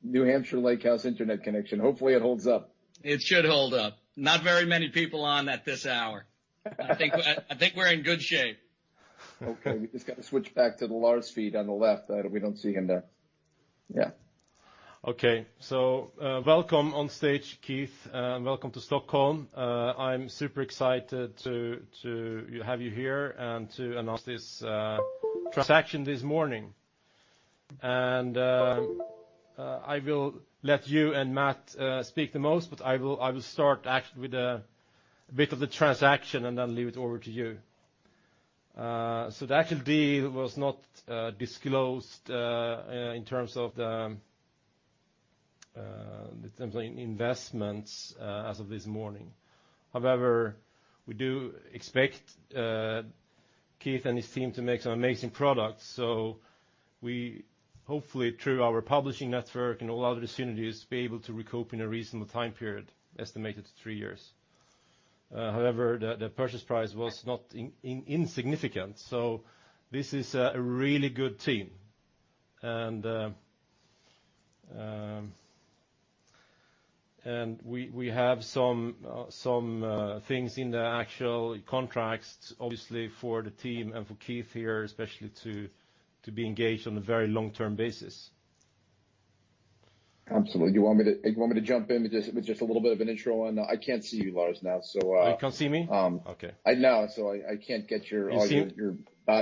New Hampshire lake house internet connection. Hopefully, it holds up. It should hold up. Not very many people on at this hour. I think we are in good shape. Okay, we just got to switch back to the Lars feed on the left. We don't see him there. Yeah. Okay. Welcome on stage, Keith. Welcome to Stockholm. I am super excited to have you here and to announce this transaction this morning. I will let you and Matt speak the most, but I will start actually with a bit of the transaction and then leave it over to you. The actual deal was not disclosed in terms of the investments as of this morning. However, we do expect Keith and his team to make some amazing products. We hopefully, through our publishing network and all other synergies, will be able to recoup in a reasonable time period, estimated to three years. However, the purchase price was not insignificant, so this is a really good team. We have some things in the actual contracts, obviously, for the team and for Keith here, especially to be engaged on a very long-term basis. Absolutely. Do you want me to jump in with just a little bit of an intro on that? I can't see you, Lars, now. You can't see me? Okay. No. I can't get your. You see me?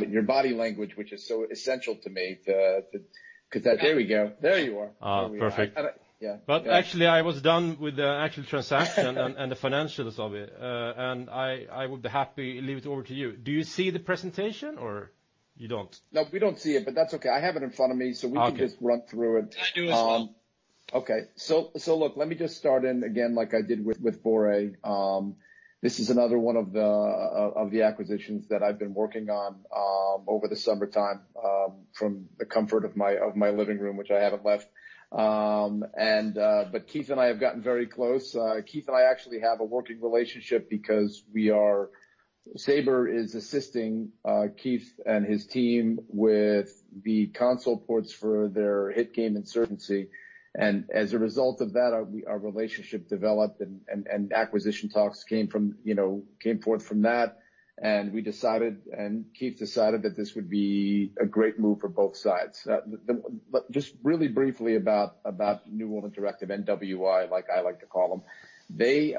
Your body language, which is so essential to me. There we go. There you are. Perfect. Actually, I was done with the actual transaction and the financials of it. I would be happy to leave it over to you. Do you see the presentation or you don't? No, we don't see it, but that's okay. I have it in front of me. Okay We can just run through it. I do as well. Okay. Look, let me just start in again like I did with Börje. This is another one of the acquisitions that I've been working on over the summertime from the comfort of my living room, which I haven't left. Keith and I have gotten very close. Keith and I actually have a working relationship because Saber is assisting Keith and his team with the console ports for their hit game, Insurgency. As a result of that, our relationship developed and acquisition talks came forth from that, and Keith decided that this would be a great move for both sides. Just really briefly about New World Interactive, NWI like I like to call them. They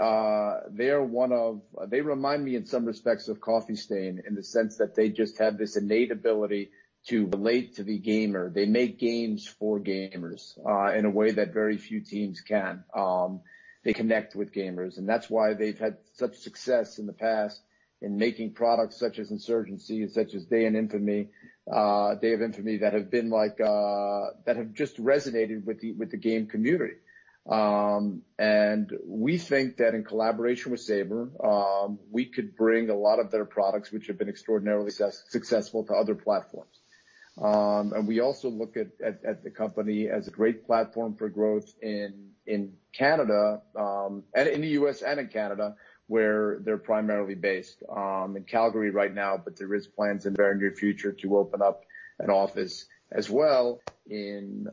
remind me in some respects of Coffee Stain in the sense that they just have this innate ability to relate to the gamer. They make games for gamers in a way that very few teams can. They connect with gamers, and that's why they've had such success in the past in making products such as Insurgency and such as Day of Infamy, that have just resonated with the game community. We think that in collaboration with Saber, we could bring a lot of their products, which have been extraordinarily successful to other platforms. We also look at the company as a great platform for growth in the U.S. and in Canada, where they're primarily based, in Calgary right now, but there is plans in the very near future to open up an office as well in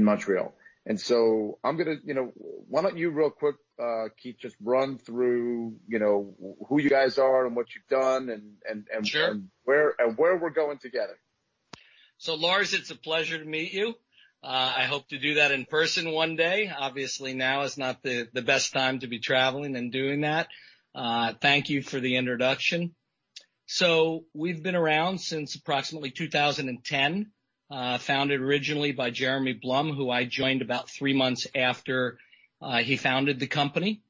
Montreal. Why don't you real quick, Keith, just run through who you guys are and what you've done. Sure Where we're going together. Lars, it's a pleasure to meet you. I hope to do that in person one day. Obviously, now is not the best time to be traveling and doing that. Thank you for the introduction. We've been around since approximately 2010 founded originally by Jeremy Blum, who I joined about three months after he founded the company.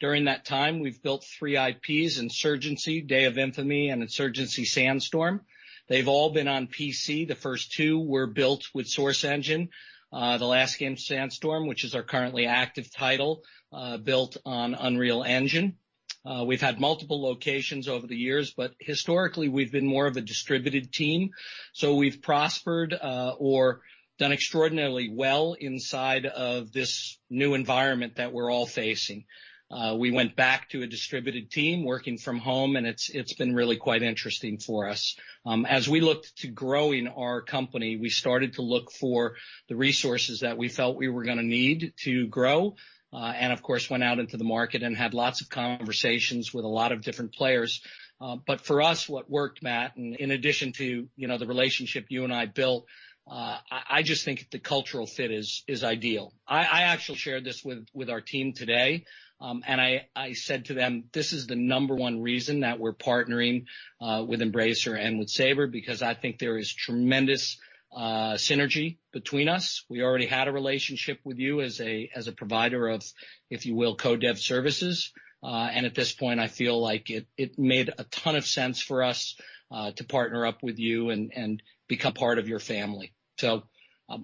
During that time, we've built three IPs, Insurgency, Day of Infamy, and Insurgency Sandstorm. They've all been on PC. The first two were built with Source Engine. The last game, Sandstorm, which is our currently active title built on Unreal Engine. We've had multiple locations over the years, but historically, we've been more of a distributed team. We've prospered or done extraordinarily well inside of this new environment that we're all facing. We went back to a distributed team working from home, and it's been really quite interesting for us. As we looked to growing our company, we started to look for the resources that we felt we were going to need to grow and of course, went out into the market and had lots of conversations with a lot of different players. For us, what worked, Matt, and in addition to the relationship you and I built I just think the cultural fit is ideal. I actually shared this with our team today. I said to them, "This is the number one reason that we're partnering with Embracer and with Saber because I think there is tremendous synergy between us." We already had a relationship with you as a provider of, if you will, co-dev services. At this point, I feel like it made a ton of sense for us to partner up with you and become part of your family.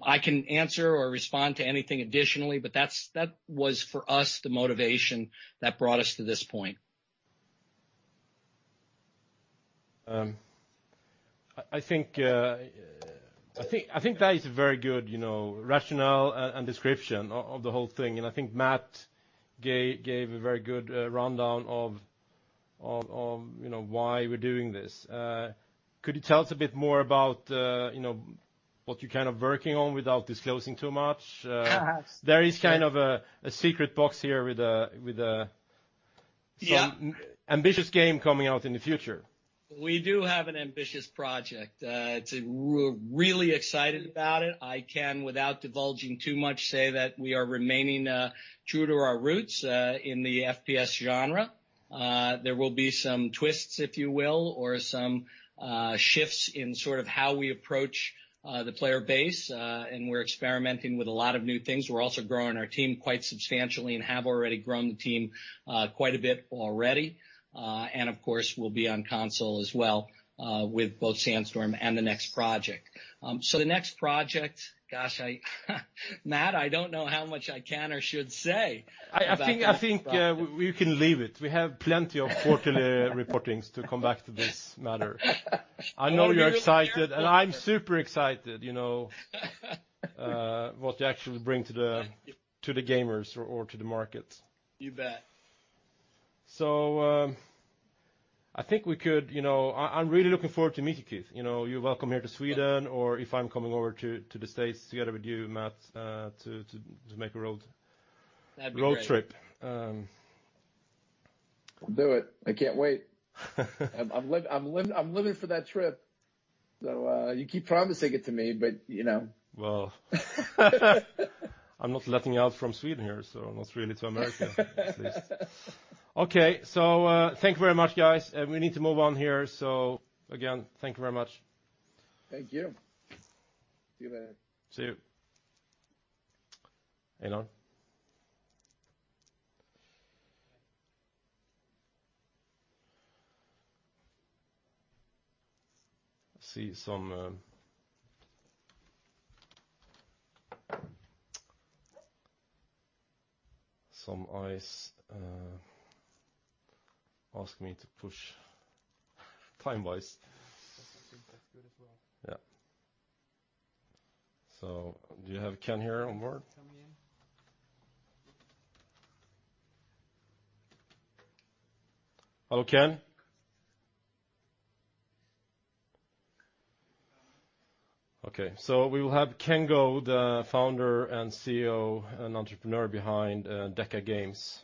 I can answer or respond to anything additionally, but that was for us the motivation that brought us to this point. I think that is a very good rationale and description of the whole thing, and I think Matt gave a very good rundown of why we're doing this. Could you tell us a bit more about what you're kind of working on without disclosing too much? There is kind of a secret box here some ambitious game coming out in the future. We do have an ambitious project. We're really excited about it. I can, without divulging too much, say that we are remaining true to our roots in the FPS genre. There will be some twists, if you will, or some shifts in sort of how we approach the player base and we're experimenting with a lot of new things. We're also growing our team quite substantially and have already grown the team quite a bit already. Of course, we'll be on console as well with both Sandstorm and the next project. The next project, gosh Matt, I don't know how much I can or should say about that project. I think we can leave it. We have plenty of quarterly reportings to come back to this matter. I know you're excited, and I'm super excited. What you actually bring to the gamers or to the market. You bet. I'm really looking forward to meeting Keith. You're welcome here to Sweden, or if I'm coming over to the States together with you, Matt. That'd be great. Road trip. We'll do it. I can't wait. I'm living for that trip. You keep promising it to me, but you know. Well I'm not letting you out from Sweden here, so not really to America at least. Okay. Thank you very much, guys. We need to move on here, so again, thank you very much. Thank you. See you later. See you. Hang on. I see some eyes ask me to push time-wise. I think that's good as well. Yeah. Do you have Ken here on board? Coming in. Hello, Ken? Okay, we will have Ken Go, the founder and CEO and entrepreneur behind Deca Games.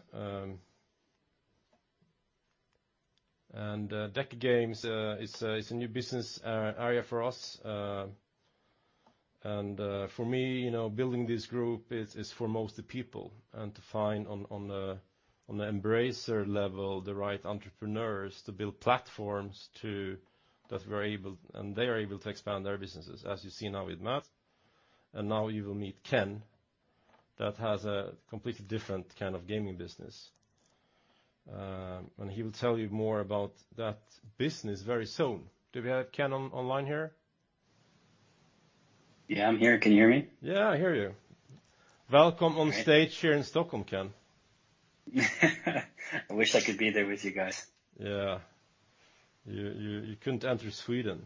Deca Games is a new business area for us. For me, building this group is for mostly people and to find on the Embracer level the right entrepreneurs to build platforms to that we're able, and they're able to expand their businesses, as you see now with Matt. Now you will meet Ken, that has a completely different kind of gaming business. He will tell you more about that business very soon. Do we have Ken online here? Yeah, I'm here. Can you hear me? Yeah, I hear you. Welcome on stage here in Stockholm, Ken. I wish I could be there with you guys. Yeah. You couldn't enter Sweden.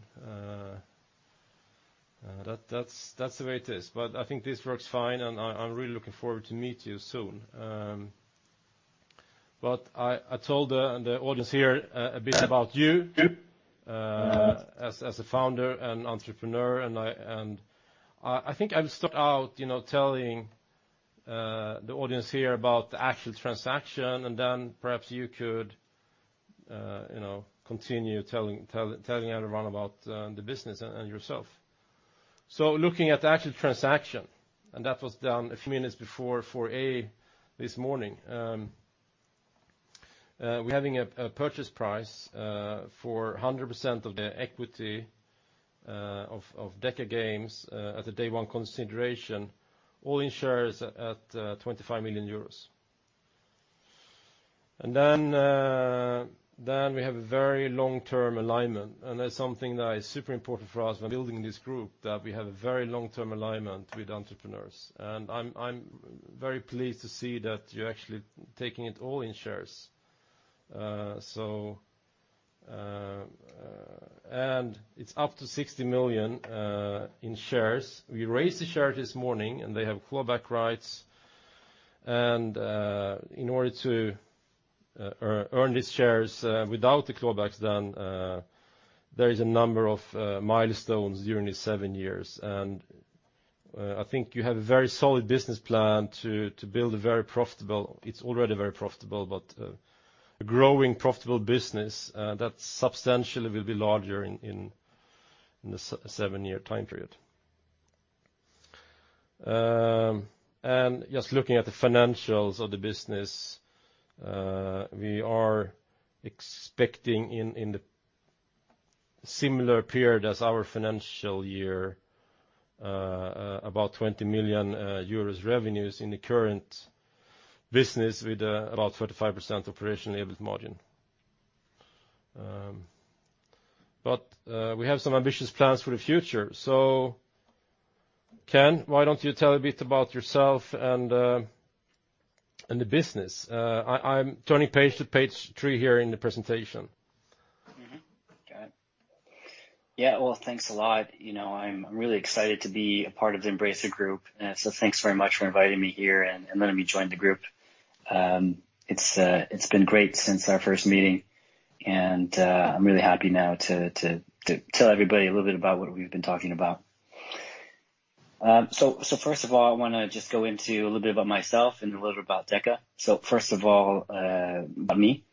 That's the way it is, but I think this works fine, and I'm really looking forward to meet you soon. I told the audience here a bit about you as a founder and entrepreneur, and I think I'll start out telling the audience here about the actual transaction, and then perhaps you could continue telling everyone about the business and yourself. Looking at the actual transaction, and that was done a few minutes before 4:00 A.M. this morning. We're having a purchase price for 100% of the equity of Deca Games at the day one consideration, all in shares at 25 million euros. Then we have a very long-term alignment, and that's something that is super important for us when building this group, that we have a very long-term alignment with entrepreneurs. I am very pleased to see that you are actually taking it all in shares. It is up to 60 million in shares. We raised the share this morning, and they have clawback rights, in order to earn these shares without the clawbacks, there is a number of milestones during these seven years. I think you have a very solid business plan to build a very profitable, it is already very profitable, but a growing profitable business that substantially will be larger in the seven-year time period. Just looking at the financials of the business, we are expecting in the similar period as our financial year, about 20 million euros revenues in the current business with about 35% operational EBIT margin. We have some ambitious plans for the future. Ken, why don't you tell a bit about yourself and the business? I'm turning page to page three here in the presentation. Got it. Yeah. Thanks a lot. I'm really excited to be a part of the Embracer Group. Thanks very much for inviting me here and letting me join the group. It's been great since our first meeting, and I'm really happy now to tell everybody a little bit about what we've been talking about. First of all, I want to just go into a little bit about myself and a little bit about Deca. First of all, about me.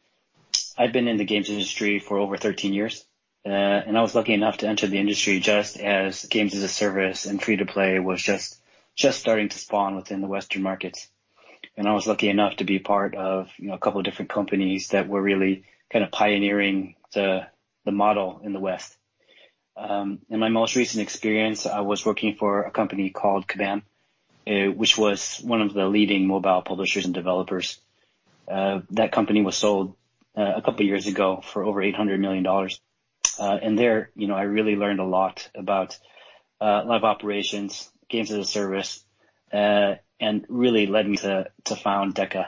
I've been in the games industry for over 13 years. I was lucky enough to enter the industry just as games as a service and free to play was just starting to spawn within the Western markets. I was lucky enough to be part of a couple of different companies that were really kind of pioneering the model in the West. In my most recent experience, I was working for a company called Kabam, which was one of the leading mobile publishers and developers. That company was sold a couple of years ago for over $800 million. There, I really learned a lot about live operations, games as a service, and really led me to found Deca.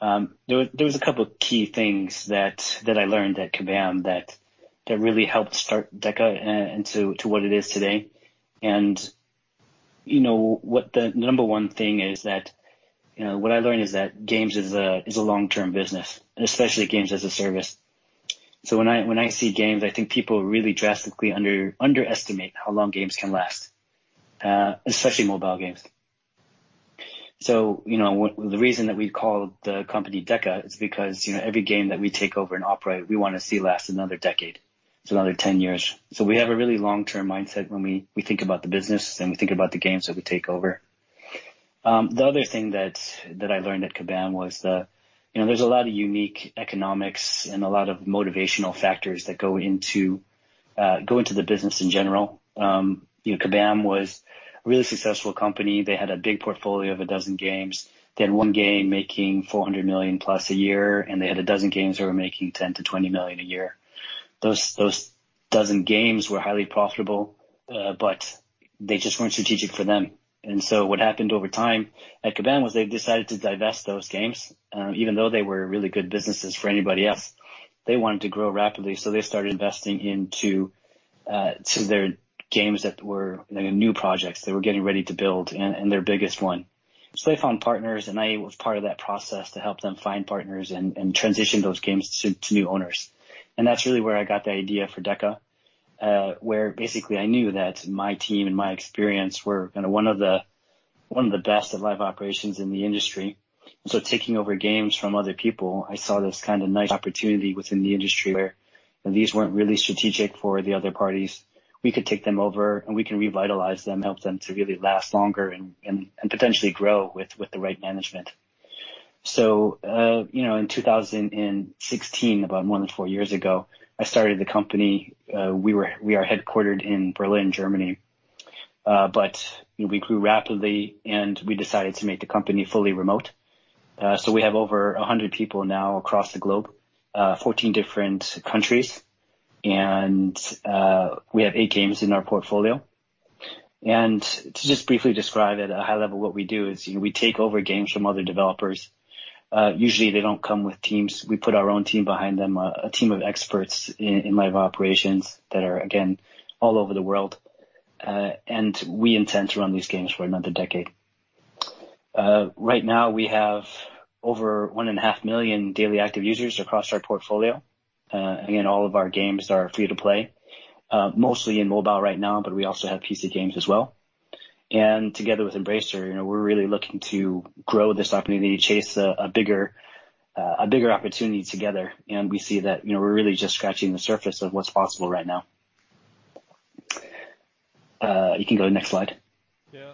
There was a couple of key things that I learned at Kabam that really helped start Deca into what it is today. The number one thing is that what I learned is that games is a long-term business, and especially games as a service. When I see games, I think people really drastically underestimate how long games can last, especially mobile games. The reason that we've called the company Deca is because every game that we take over and operate, we want to see last another decade. It's another 10 years. We have a really long-term mindset when we think about the business and we think about the games that we take over. The other thing that I learned at Kabam was that there's a lot of unique economics and a lot of motivational factors that go into the business in general. Kabam was a really successful company. They had a big portfolio of a dozen games. They had one game making $400 million-plus a year, and they had a dozen games that were making $10 million-$20 million a year. Those dozen games were highly profitable, but they just weren't strategic for them. What happened over time at Kabam was they decided to divest those games. Even though they were really good businesses for anybody else, they wanted to grow rapidly, they started investing into their games that were new projects they were getting ready to build and their biggest one. They found partners, and I was part of that process to help them find partners and transition those games to new owners. That's really where I got the idea for Deca, where basically I knew that my team and my experience were one of the best at live operations in the industry. Taking over games from other people, I saw this kind of nice opportunity within the industry where these weren't really strategic for the other parties. We could take them over, and we can revitalize them, help them to really last longer and potentially grow with the right management. In 2016, about more than four years ago, I started the company. We are headquartered in Berlin, Germany. We grew rapidly, and we decided to make the company fully remote. We have over 100 people now across the globe, 14 different countries, and we have eight games in our portfolio. To just briefly describe it at a high level, what we do is we take over games from other developers. Usually, they don't come with teams. We put our own team behind them, a team of experts in live operations that are, again, all over the world. We intend to run these games for another decade. Right now, we have over one and a half million daily active users across our portfolio. Again, all of our games are free to play, mostly in mobile right now, but we also have PC games as well. Together with Embracer, we're really looking to grow this opportunity to chase a bigger opportunity together. We see that we're really just scratching the surface of what's possible right now. You can go to next slide. Yeah.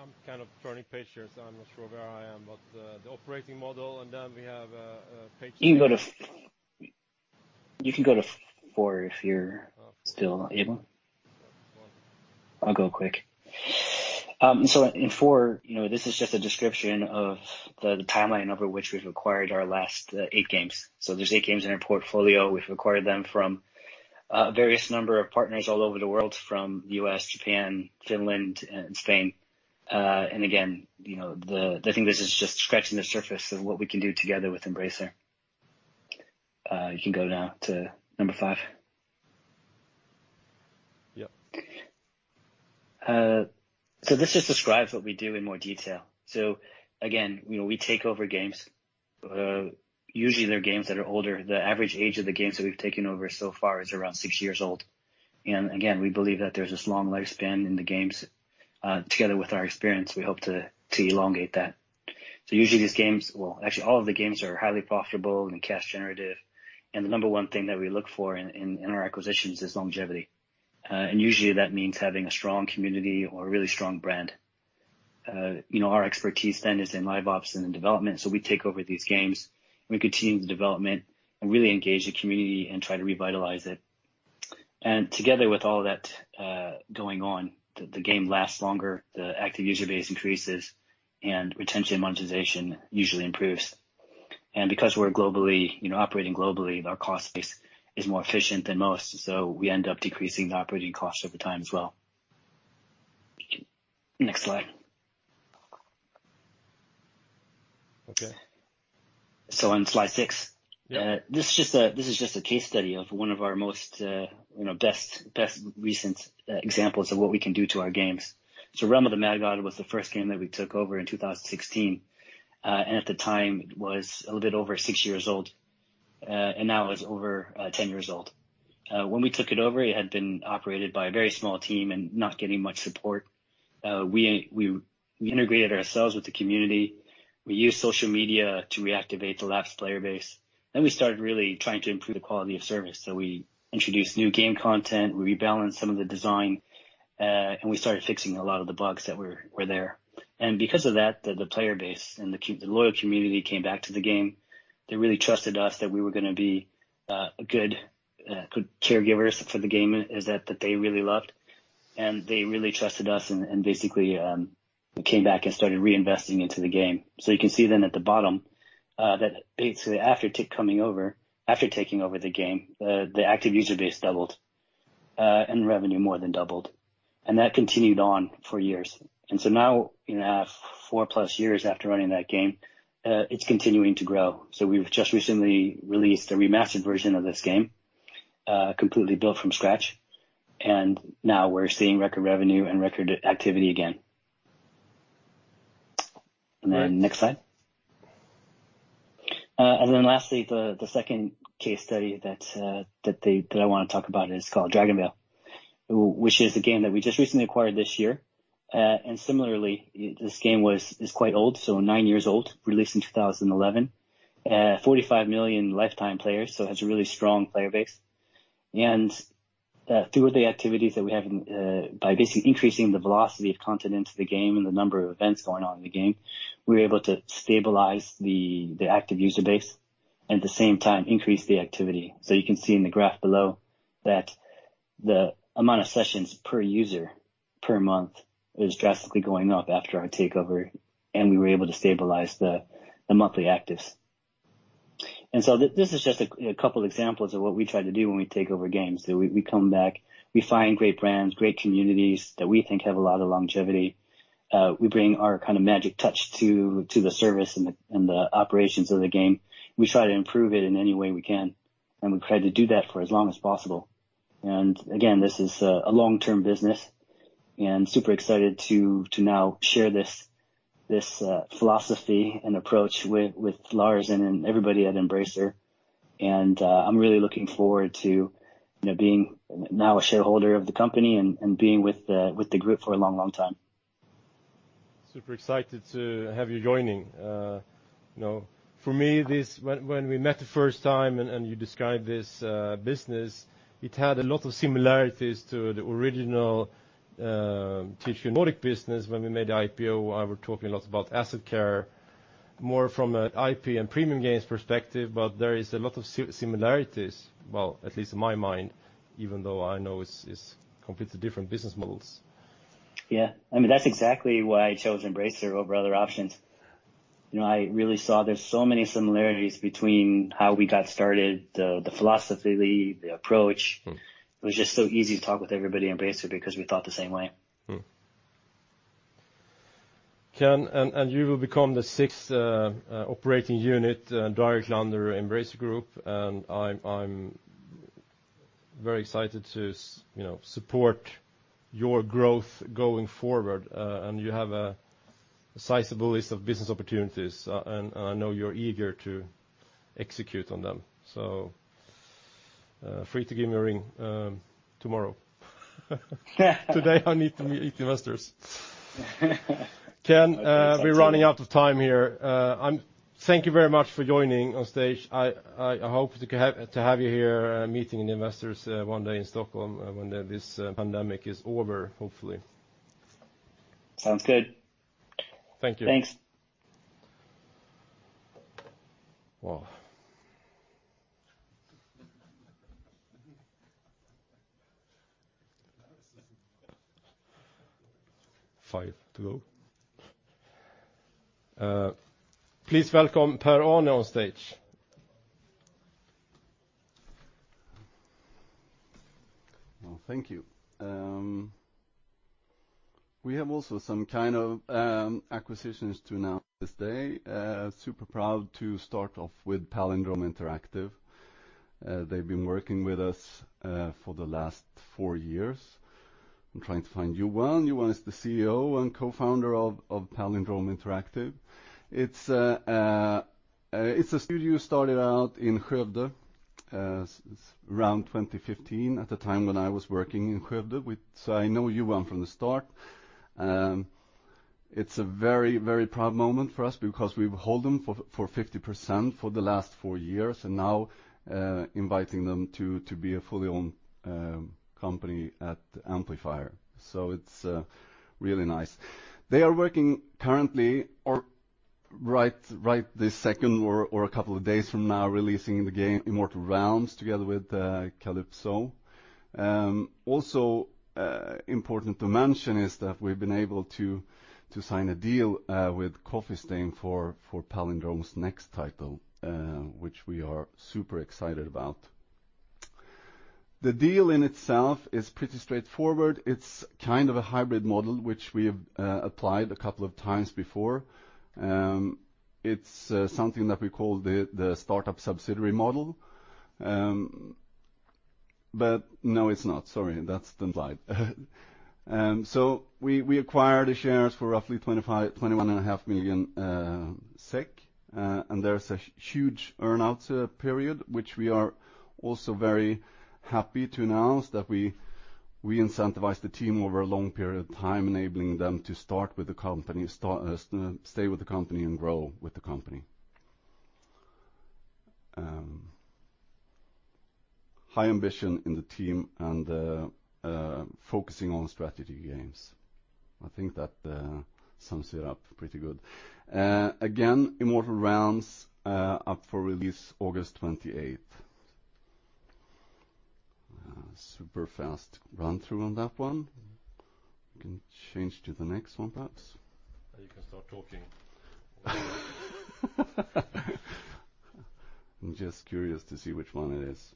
I'm kind of turning pages, so I'm not sure where I am, but the operating model, and then we have a page- You can go to four if you're still able. Four. I'll go quick. In four, this is just a description of the timeline over which we've acquired our last eight games. There's eight games in our portfolio. We've acquired them from a various number of partners all over the world, from U.S., Japan, Finland, and Spain. Again, I think this is just scratching the surface of what we can do together with Embracer. You can go now to number 5. Yep. This just describes what we do in more detail. Again, we take over games. Usually they're games that are older. The average age of the games that we've taken over so far is around six years old. Again, we believe that there's this long lifespan in the games. Together with our experience, we hope to elongate that. Usually these games Well, actually all of the games are highly profitable and cash generative. The number one thing that we look for in our acquisitions is longevity. Usually that means having a strong community or a really strong brand. Our expertise then is in live ops and in development, so we take over these games, and we continue the development and really engage the community and try to revitalize it. Together with all that going on, the game lasts longer, the active user base increases, and retention monetization usually improves. Because we're operating globally, our cost base is more efficient than most, so we end up decreasing the operating costs over time as well. Next slide. Okay. On slide six. This is just a case study of one of our most best recent examples of what we can do to our games. "Realm of the Mad God" was the first game that we took over in 2016. At the time, it was a little bit over six years old, and now it's over 10 years old. When we took it over, it had been operated by a very small team and not getting much support. We integrated ourselves with the community. We used social media to reactivate the lapsed player base. We started really trying to improve the quality of service. We introduced new game content, we rebalanced some of the design, and we started fixing a lot of the bugs that were there. Because of that, the player base and the loyal community came back to the game. They really trusted us that we were going to be good caregivers for the game that they really loved. They really trusted us and basically came back and started reinvesting into the game. You can see then at the bottom that basically after taking over the game, the active user base doubled, and revenue more than doubled. That continued on for years. Now, four-plus years after running that game, it's continuing to grow. We've just recently released a remastered version of this game, completely built from scratch, and now we're seeing record revenue and record activity again. Next slide. Lastly, the second case study that I want to talk about is called "DragonVale," which is a game that we just recently acquired this year. Similarly, this game is quite old, so nine years old, released in 2011. 45 million lifetime players, so it has a really strong player base. Through the activities that we have, by basically increasing the velocity of content into the game and the number of events going on in the game, we were able to stabilize the active user base, at the same time increase the activity. You can see in the graph below that the amount of sessions per user per month is drastically going up after our takeover, and we were able to stabilize the monthly actives. This is just a couple examples of what we try to do when we take over games. We come back, we find great brands, great communities that we think have a lot of longevity. We bring our kind of magic touch to the service and the operations of the game. We try to improve it in any way we can, and we try to do that for as long as possible. Again, this is a long-term business, and super excited to now share this philosophy and approach with Lars and everybody at Embracer. I'm really looking forward to being now a shareholder of the company and being with the group for a long, long time. Super excited to have you joining. For me, when we met the first time and you described this business, it had a lot of similarities to the original THQ Nordic business when we made the IPO, where we were talking a lot about asset care, more from an IP and premium games perspective, but there is a lot of similarities, well, at least in my mind, even though I know it's completely different business models. Yeah. I mean, that's exactly why I chose Embracer over other options. I really saw there's so many similarities between how we got started, the philosophy, the approach. It was just so easy to talk with everybody at Embracer because we thought the same way. Ken, you will become the sixth operating unit directly under Embracer Group. I'm very excited to support your growth going forward, and you have a sizable list of business opportunities, and I know you're eager to execute on them. Feel free to give me a ring tomorrow. Today I need to meet investors. Ken, we're running out of time here. Thank you very much for joining on stage. I hope to have you here meeting the investors one day in Stockholm when this pandemic is over, hopefully. Sounds good. Thank you. Thanks. Wow. Five to go. Please welcome Per-Arne on stage. Well, thank you. We have also some kind of acquisitions to announce this day. Super proud to start off with Palindrome Interactive. They have been working with us for the last four years. I am trying to find Johan. Johan is the CEO and co-founder of Palindrome Interactive. It is a studio started out in Skövde around 2015 at the time when I was working in Skövde, so I know Johan from the start. It is a very proud moment for us because we have hold them for 50% for the last four years, now inviting them to be a fully owned company at Amplifier. It is really nice. They are working currently or right this second or a couple of days from now, releasing the game Immortal Realms together with Kalypso. Important to mention is that we've been able to sign a deal with Coffee Stain for Palindrome's next title, which we are super excited about. The deal in itself is pretty straightforward. It's kind of a hybrid model, which we have applied a couple of times before. It's something that we call the startup subsidiary model. No, it's not. Sorry, that's the slide. We acquired the shares for roughly 21.5 million SEK, and there's a huge earn-out period, which we are also very happy to announce that we incentivize the team over a long period of time, enabling them to start with the company, stay with the company, and grow with the company. High ambition in the team and focusing on strategy games. I think that sums it up pretty good. Again, Immortal Realms up for release August 28th. Super fast run-through on that one. You can change to the next one, perhaps. Now you can start talking. I'm just curious to see which one it is.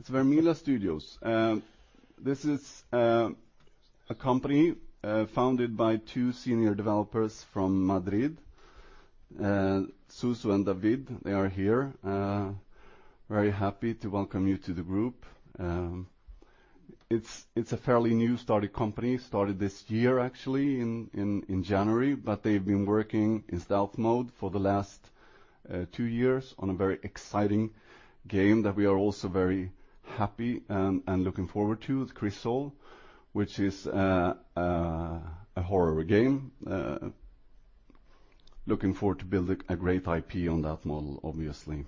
It's Vermila Studios. This is a company founded by two senior developers from Madrid, Suso and David. They are here. Very happy to welcome you to the group. It's a fairly new started company, started this year actually in January, but they've been working in stealth mode for the last two years on a very exciting game that we are also very happy and looking forward to, Crisol, which is a horror game. Looking forward to building a great IP on that model, obviously.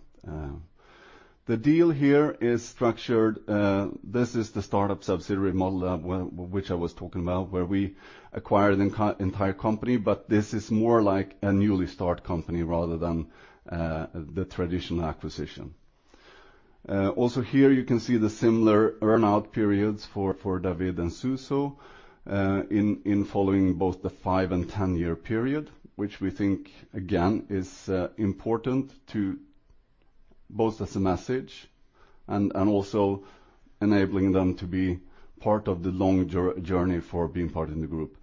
The deal here is structured, this is the startup subsidiary model which I was talking about, where we acquired an entire company, but this is more like a newly started company rather than the traditional acquisition. Here you can see the similar earn-out periods for David and Suso in following both the five and 10-year period, which we think, again, is important both as a message and also enabling them to be part of the long journey for being part in the group.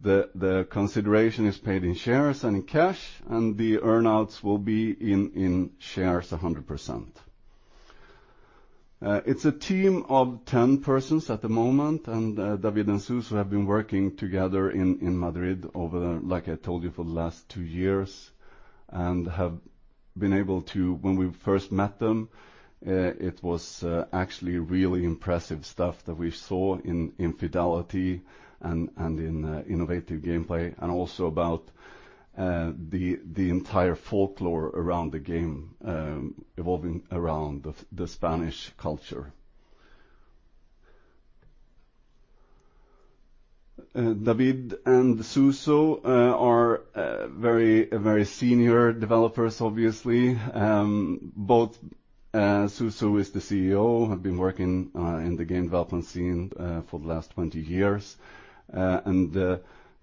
The consideration is paid in shares and in cash, and the earn-outs will be in shares 100%. It's a team of 10 persons at the moment, and David and Suso have been working together in Madrid over, like I told you, for the last two years, and have been able to when we first met them, it was actually really impressive stuff that we saw in fidelity and in innovative gameplay, and also about the entire folklore around the game, evolving around the Spanish culture. David and Suso are very senior developers, obviously. Suso is the CEO, have been working in the game development scene for the last 20 years.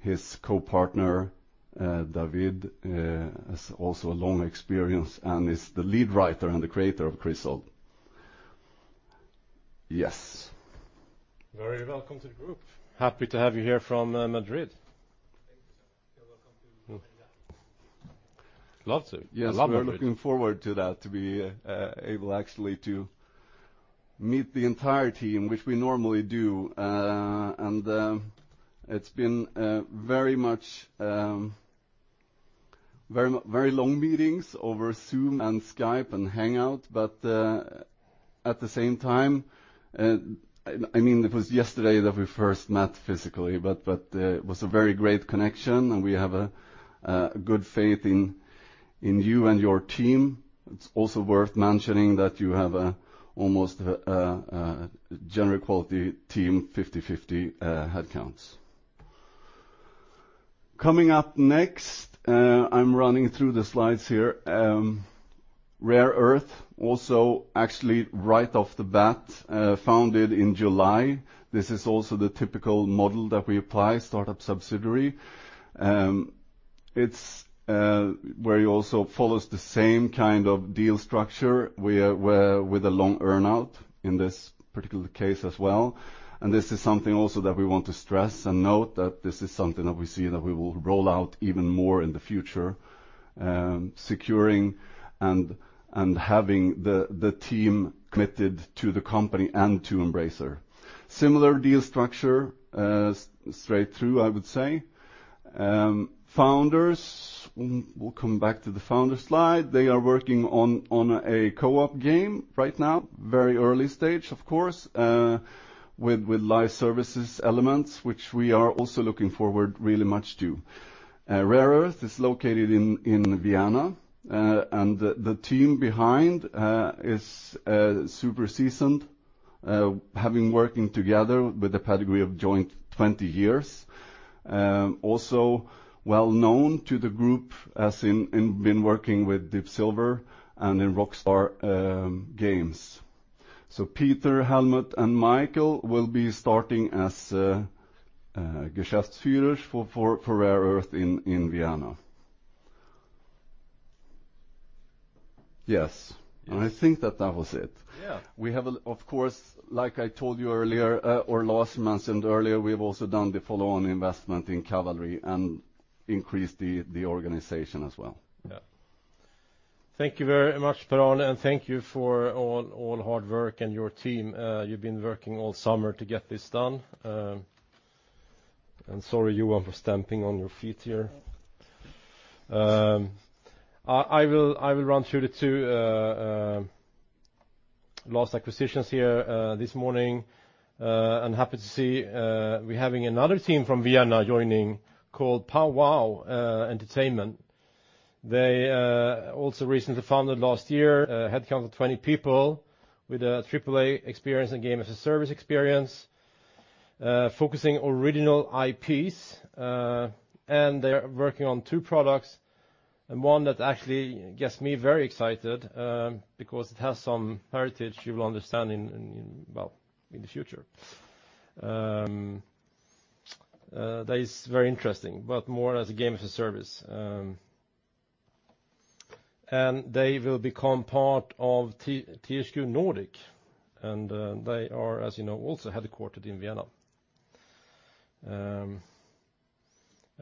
His co-partner, David, is also a long experience and is the lead writer and the creator of Crisol. Very welcome to the group. Happy to have you here from Madrid. Yes, we are looking forward to that, to be able actually to meet the entire team, which we normally do. It's been very long meetings over Zoom and Skype, and Hangout. At the same time, it was yesterday that we first met physically, but it was a very great connection, and we have a good faith in you and your team. It's also worth mentioning that you have almost a gender equality team, 50/50 headcounts. Coming up next, I'm running through the slides here. Rare Earth, also actually right off the bat, founded in July. This is also the typical model that we apply, startup subsidiary, where it also follows the same kind of deal structure with a long earn-out in this particular case as well. This is something also that we want to stress and note that this is something that we see that we will roll out even more in the future, securing and having the team committed to the company and to Embracer. Similar deal structure straight through, I would say. Founders, we'll come back to the founders slide. They are working on a co-op game right now. Very early stage, of course, with live services elements, which we are also looking forward really much to. Rare Earth is located in Vienna. The team behind is super seasoned, having working together with a pedigree of joint 20 years. Also well known to the group as in been working with Deep Silver and in Rockstar Games. Peter, Helmut, and Michael will be starting as Geschäftsführers for Rare Earth in Vienna. Yes, I think that that was it. Yeah. Of course, like I told you earlier, or Lars mentioned earlier, we've also done the follow-on investment in Kavalri Games and increased the organization as well. Yeah. Thank you very much, Per-Arne, and thank you for all hard work and your team. You've been working all summer to get this done. Sorry, Johan, for stamping on your feet here. I will run through the two last acquisitions here this morning. Happy to see we're having another team from Vienna joining called Pow Wow Entertainment. They also recently founded last year, a headcount of 20 people with AAA experience and game as a service experience, focusing original IPs. They are working on two products and one that actually gets me very excited, because it has some heritage you will understand in, well, in the future. That is very interesting, but more as a game as a service. They will become part of THQ Nordic, and they are, as you know, also headquartered in Vienna.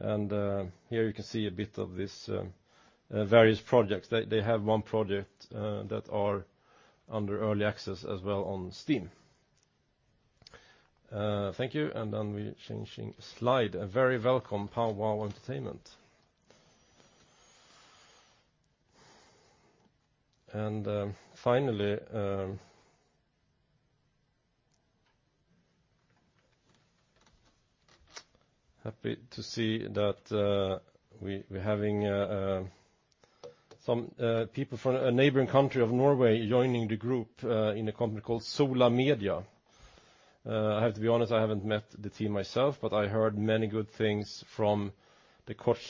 Here you can see a bit of these various projects. They have one project that are under early access as well on Steam. Thank you, we're changing slide. A very welcome Pow Wow Entertainment. Finally, happy to see that we're having some people from a neighboring country of Norway joining the group in a company called Sola Media. I have to be honest, I haven't met the team myself, but I heard many good things from the Koch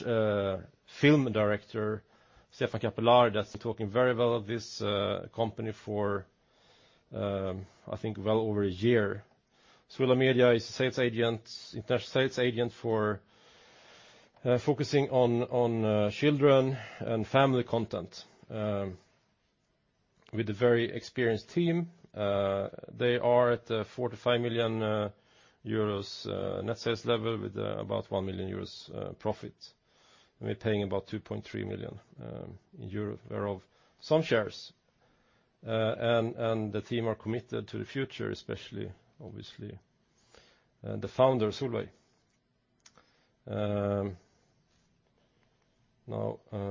Films director, Stefan Kapelari, that's been talking very well of this company for, I think, well over a year. Sola Media is international sales agent for focusing on children and family content with a very experienced team. They are at 45 million euros net sales level with about 1 million euros profit. We're paying about 2.3 million euro, thereof some shares. The team are committed to the future, especially obviously the founder, Solveig.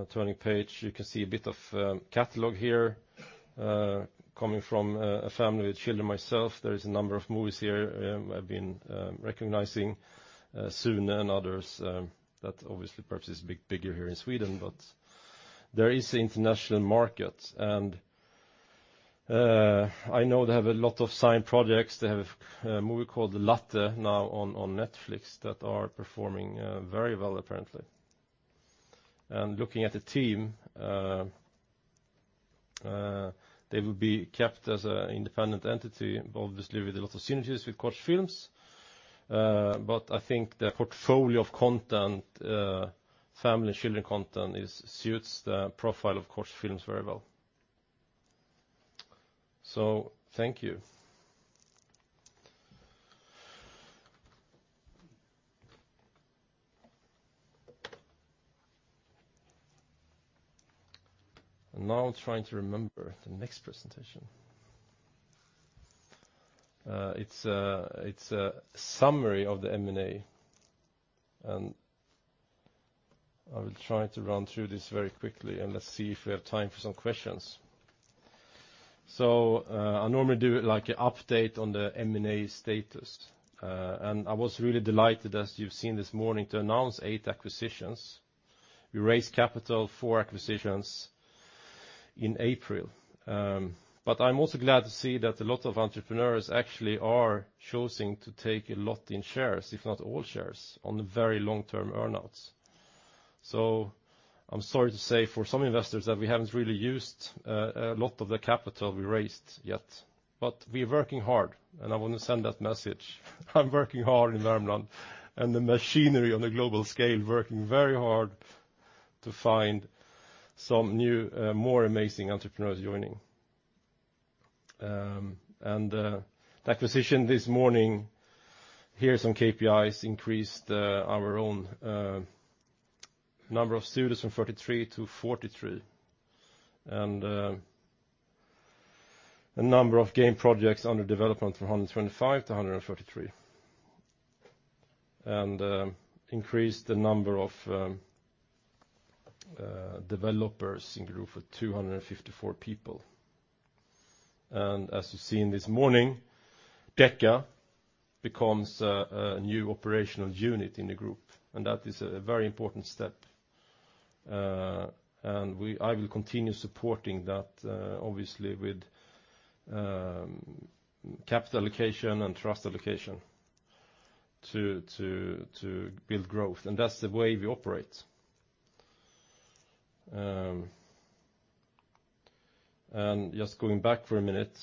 Turning page, you can see a bit of catalog here. Coming from a family with children myself, there is a number of movies here I've been recognizing, "Sune" and others that obviously perhaps is a bit bigger here in Sweden, but there is an international market. I know they have a lot of signed projects. They have a movie called "Latte" now on Netflix that are performing very well, apparently. Looking at the team, they will be kept as an independent entity, obviously with a lot of synergies with Koch Films. I think the portfolio of family and children content suits the profile of Koch Films very well. Thank you. Now I'm trying to remember the next presentation. It's a summary of the M&A, and I will try to run through this very quickly, and let's see if we have time for some questions. I normally do an update on the M&A status. I was really delighted, as you've seen this morning, to announce eight acquisitions. We raised capital for acquisitions in April. I'm also glad to see that a lot of entrepreneurs actually are choosing to take a lot in shares, if not all shares, on very long-term earn-outs. I'm sorry to say for some investors that we haven't really used a lot of the capital we raised yet. We're working hard, and I want to send that message. I'm working hard in Värmland, and the machinery on a global scale, working very hard to find some new, more amazing entrepreneurs joining. The acquisition this morning, here are some KPIs, increased our own number of studios from 33 to 43. The number of game projects under development from 125 to 133. Increased the number of developers in the group for 254 people. As you've seen this morning, Deca becomes a new operational unit in the group, and that is a very important step. I will continue supporting that, obviously, with capital allocation and trust allocation to build growth. That's the way we operate. Just going back for a minute.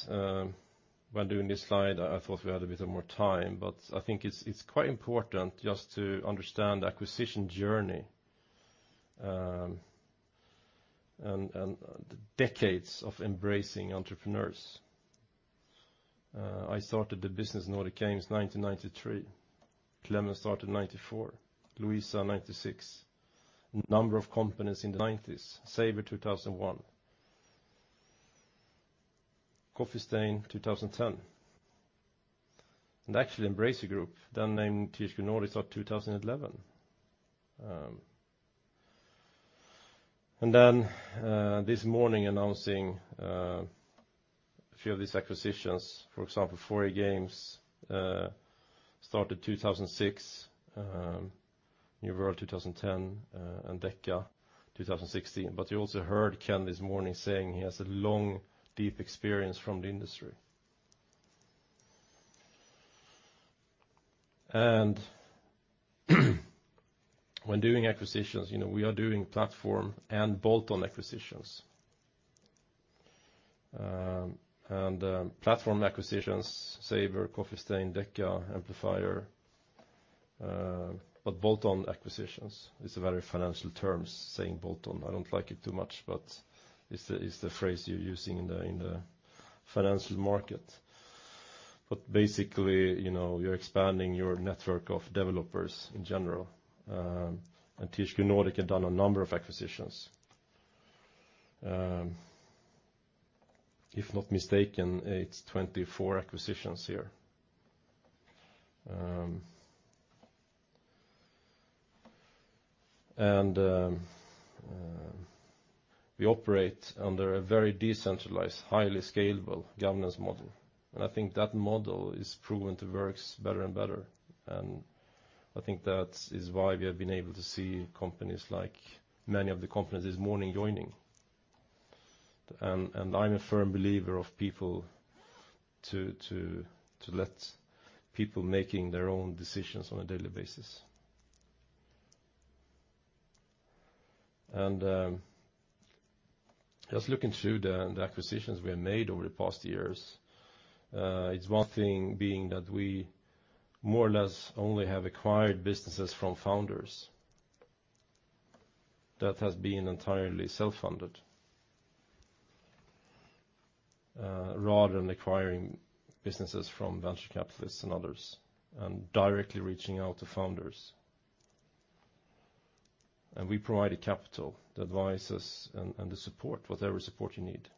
When doing this slide, I thought we had a bit more time, but I think it's quite important just to understand the acquisition journey, and the decades of Embracer entrepreneurs. I started the business Nordic Games 1993. Klemens started 1994, Luisa 1996. A number of companies in the '90s. Saber 2001. Coffee Stain 2010. Actually Embracer Group, then named THQ Nordic, started 2011. This morning announcing a few of these acquisitions, for example, 4A Games started 2006, New World 2010, and Deca 2016. You also heard Ken this morning saying he has a long, deep experience from the industry. When doing acquisitions, we are doing platform and bolt-on acquisitions. Platform acquisitions, Saber, Coffee Stain, Deca, Amplifier. Bolt-on acquisitions, it's a very financial term, saying bolt-on. I don't like it too much, but it's the phrase you're using in the financial market. Basically, you're expanding your network of developers in general. THQ Nordic has done a number of acquisitions. If not mistaken, it's 24 acquisitions here. We operate under a very decentralized, highly scalable governance model. I think that model is proven to work better and better. I think that is why we have been able to see companies like many of the companies this morning joining. I'm a firm believer of people to let people making their own decisions on a daily basis. Just looking through the acquisitions we have made over the past years, it's one thing being that we more or less only have acquired businesses from founders that has been entirely self-funded, rather than acquiring businesses from venture capitalists and others, and directly reaching out to founders. We provide the capital, the advices, and the support, whatever support you need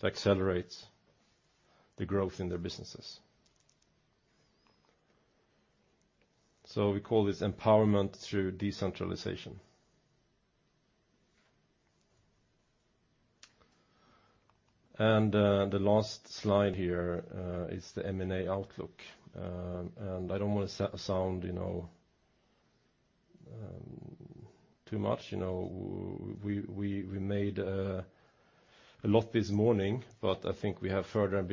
to accelerate the growth in their businesses. We call this empowerment through decentralization. The last slide here is the M&A outlook. I don't want to sound too much. We made a lot this morning, I think we have further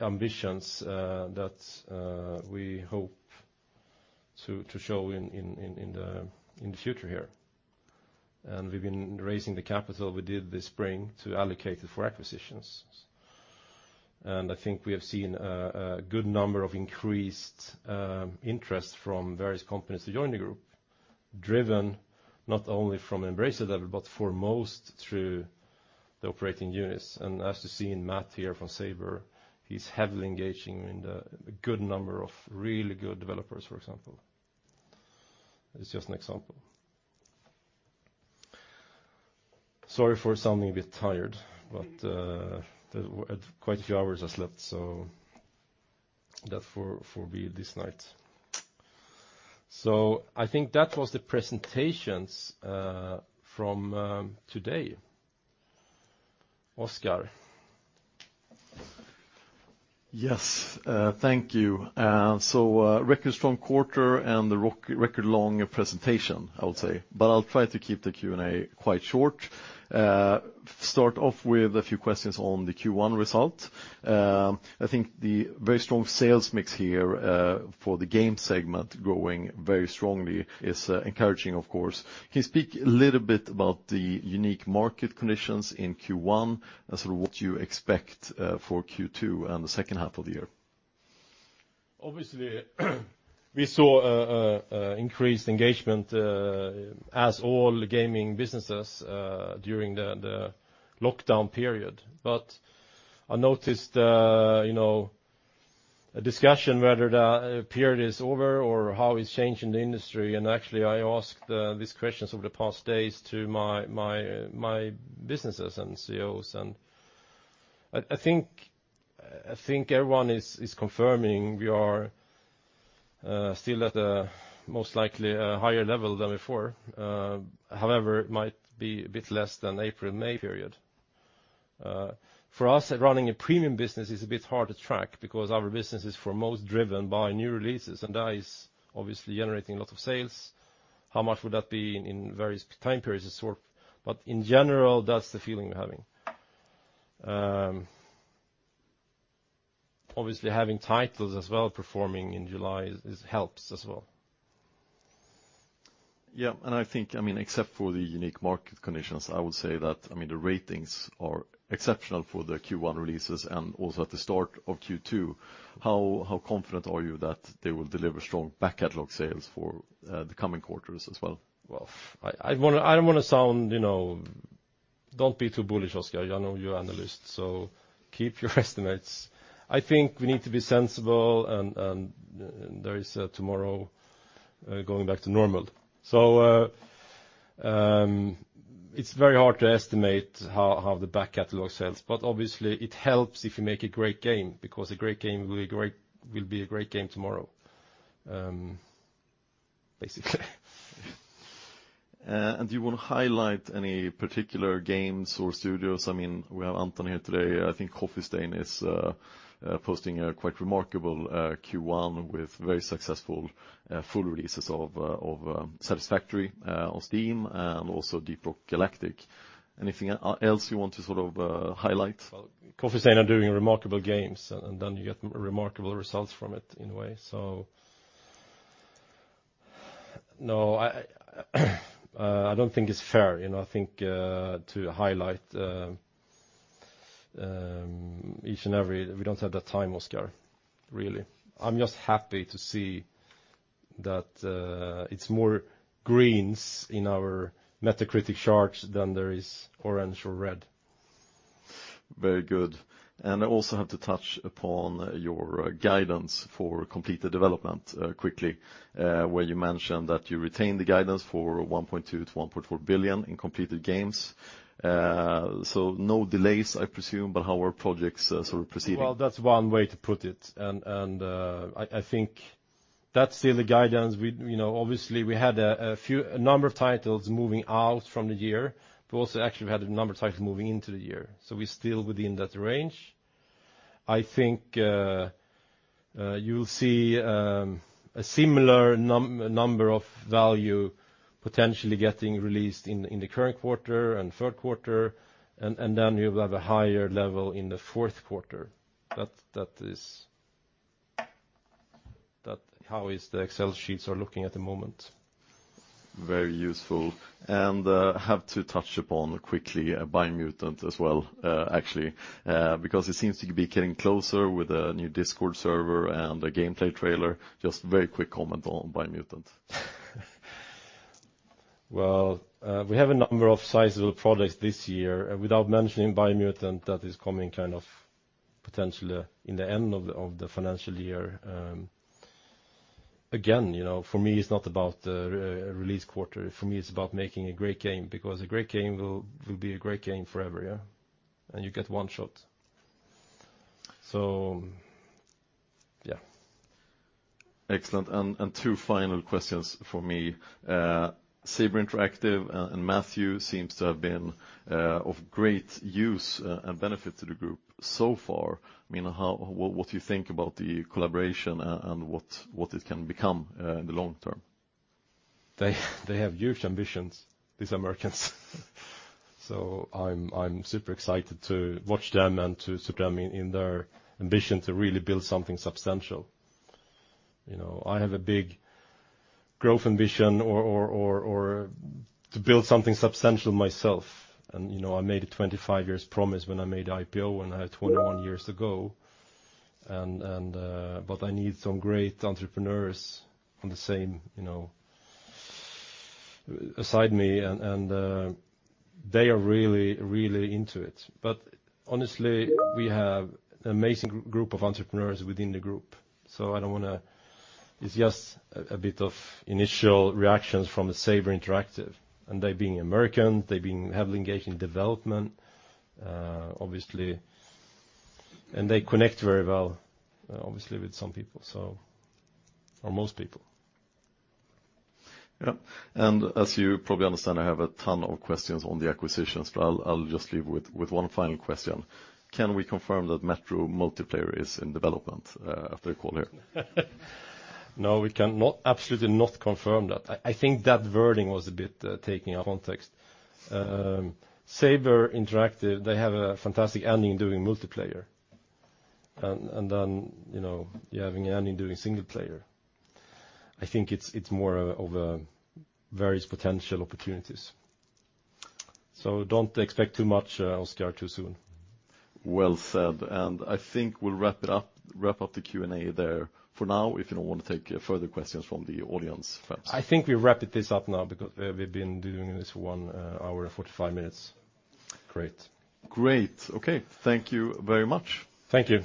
ambitions that we hope to show in the future here. We've been raising the capital we did this spring to allocate it for acquisitions. I think we have seen a good number of increased interest from various companies to join the group, driven not only from Embracer level, but for most through the operating units. As you've seen Matt here from Saber, he's heavily engaging in the good number of really good developers, for example. It's just an example. Sorry for sounding a bit tired, quite a few hours I slept, so that for me this night. I think that was the presentations from today. Oscar. Yes, thank you. A record strong quarter and the record long presentation, I would say. I'll try to keep the Q&A quite short. Start off with a few questions on the Q1 result. I think the very strong sales mix here for the game segment growing very strongly is encouraging, of course. Can you speak a little bit about the unique market conditions in Q1 as what you expect for Q2 and the second half of the year? Obviously, we saw increased engagement as all gaming businesses during the lockdown period. I noticed a discussion whether the period is over or how it's changing the industry, and actually I asked these questions over the past days to my businesses and CEOs. I think everyone is confirming we are still at a most likely higher level than before. However, it might be a bit less than April, May period. For us, running a premium business is a bit hard to track because our business is for most driven by new releases, and that is obviously generating a lot of sales. How much would that be in various time periods. In general, that's the feeling we're having. Obviously, having titles as well performing in July helps as well. I think, except for the unique market conditions, I would say that the ratings are exceptional for the Q1 releases and also at the start of Q2. How confident are you that they will deliver strong back catalog sales for the coming quarters as well? Well, I don't want to be too bullish, Oscar. I know you're an analyst, keep your estimates. I think we need to be sensible, there is tomorrow going back to normal. It's very hard to estimate how the back catalog sales, obviously it helps if you make a great game because a great game will be a great game tomorrow, basically. Do you want to highlight any particular games or studios? We have Anton here today. I think Coffee Stain is posting a quite remarkable Q1 with very successful full releases of Satisfactory on Steam and also Deep Rock Galactic. Anything else you want to sort of highlight? Well, Coffee Stain are doing remarkable games, and then you get remarkable results from it in a way. No, I don't think it's fair to highlight each and every, we don't have that time, Oscar, really. I'm just happy to see that it's more greens in our Metacritic charts than there is orange or red. Very good. I also have to touch upon your guidance for completed development quickly, where you mentioned that you retained the guidance for 1.2 billion-1.4 billion in completed games. No delays, I presume, but how are projects sort of proceeding? Well, that's one way to put it. I think that's still the guidance. Obviously, we had a number of titles moving out from the year, also actually we had a number of titles moving into the year. We're still within that range. I think you'll see a similar number of value potentially getting released in the current quarter and third quarter, then you'll have a higher level in the fourth quarter. That is how is the Excel sheets are looking at the moment. Very useful. Have to touch upon quickly Biomutant as well actually because it seems to be getting closer with a new Discord server and a gameplay trailer. Just a very quick comment on Biomutant. We have a number of sizable products this year without mentioning Biomutant that is coming kind of potentially in the end of the financial year. For me, it's not about the release quarter. For me, it's about making a great game because a great game will be a great game forever, yeah. You get one shot. Yeah. Excellent, two final questions for me. Saber Interactive and Matthew seems to have been of great use and benefit to the group so far. What do you think about the collaboration and what it can become in the long term? They have huge ambitions, these Americans. I'm super excited to watch them and to support them in their ambition to really build something substantial. I have a big growth ambition or to build something substantial myself. I made a 25 years promise when I made IPO and I have 21 years to go. I need some great entrepreneurs on the same side me, and they are really into it. Honestly, we have an amazing group of entrepreneurs within the group. It's just a bit of initial reactions from Saber Interactive, and they being American, they've been heavily engaged in development, obviously. They connect very well, obviously, with some people, or most people. Yeah. As you probably understand, I have a ton of questions on the acquisitions, but I'll just leave with one final question. Can we confirm that Metro multiplayer is in development after the call here? No, we can absolutely not confirm that. I think that wording was a bit taken out of context. Saber Interactive, they have a fantastic engine doing multiplayer, then you're having an engine doing single player. I think it's more of various potential opportunities. Don't expect too much, Oscar, too soon. Well said. I think we'll wrap up the Q&A there for now, if you don't want to take further questions from the audience perhaps. I think we wrap this up now because we've been doing this for one hour and 45 minutes. Great. Okay. Thank you very much. Thank you.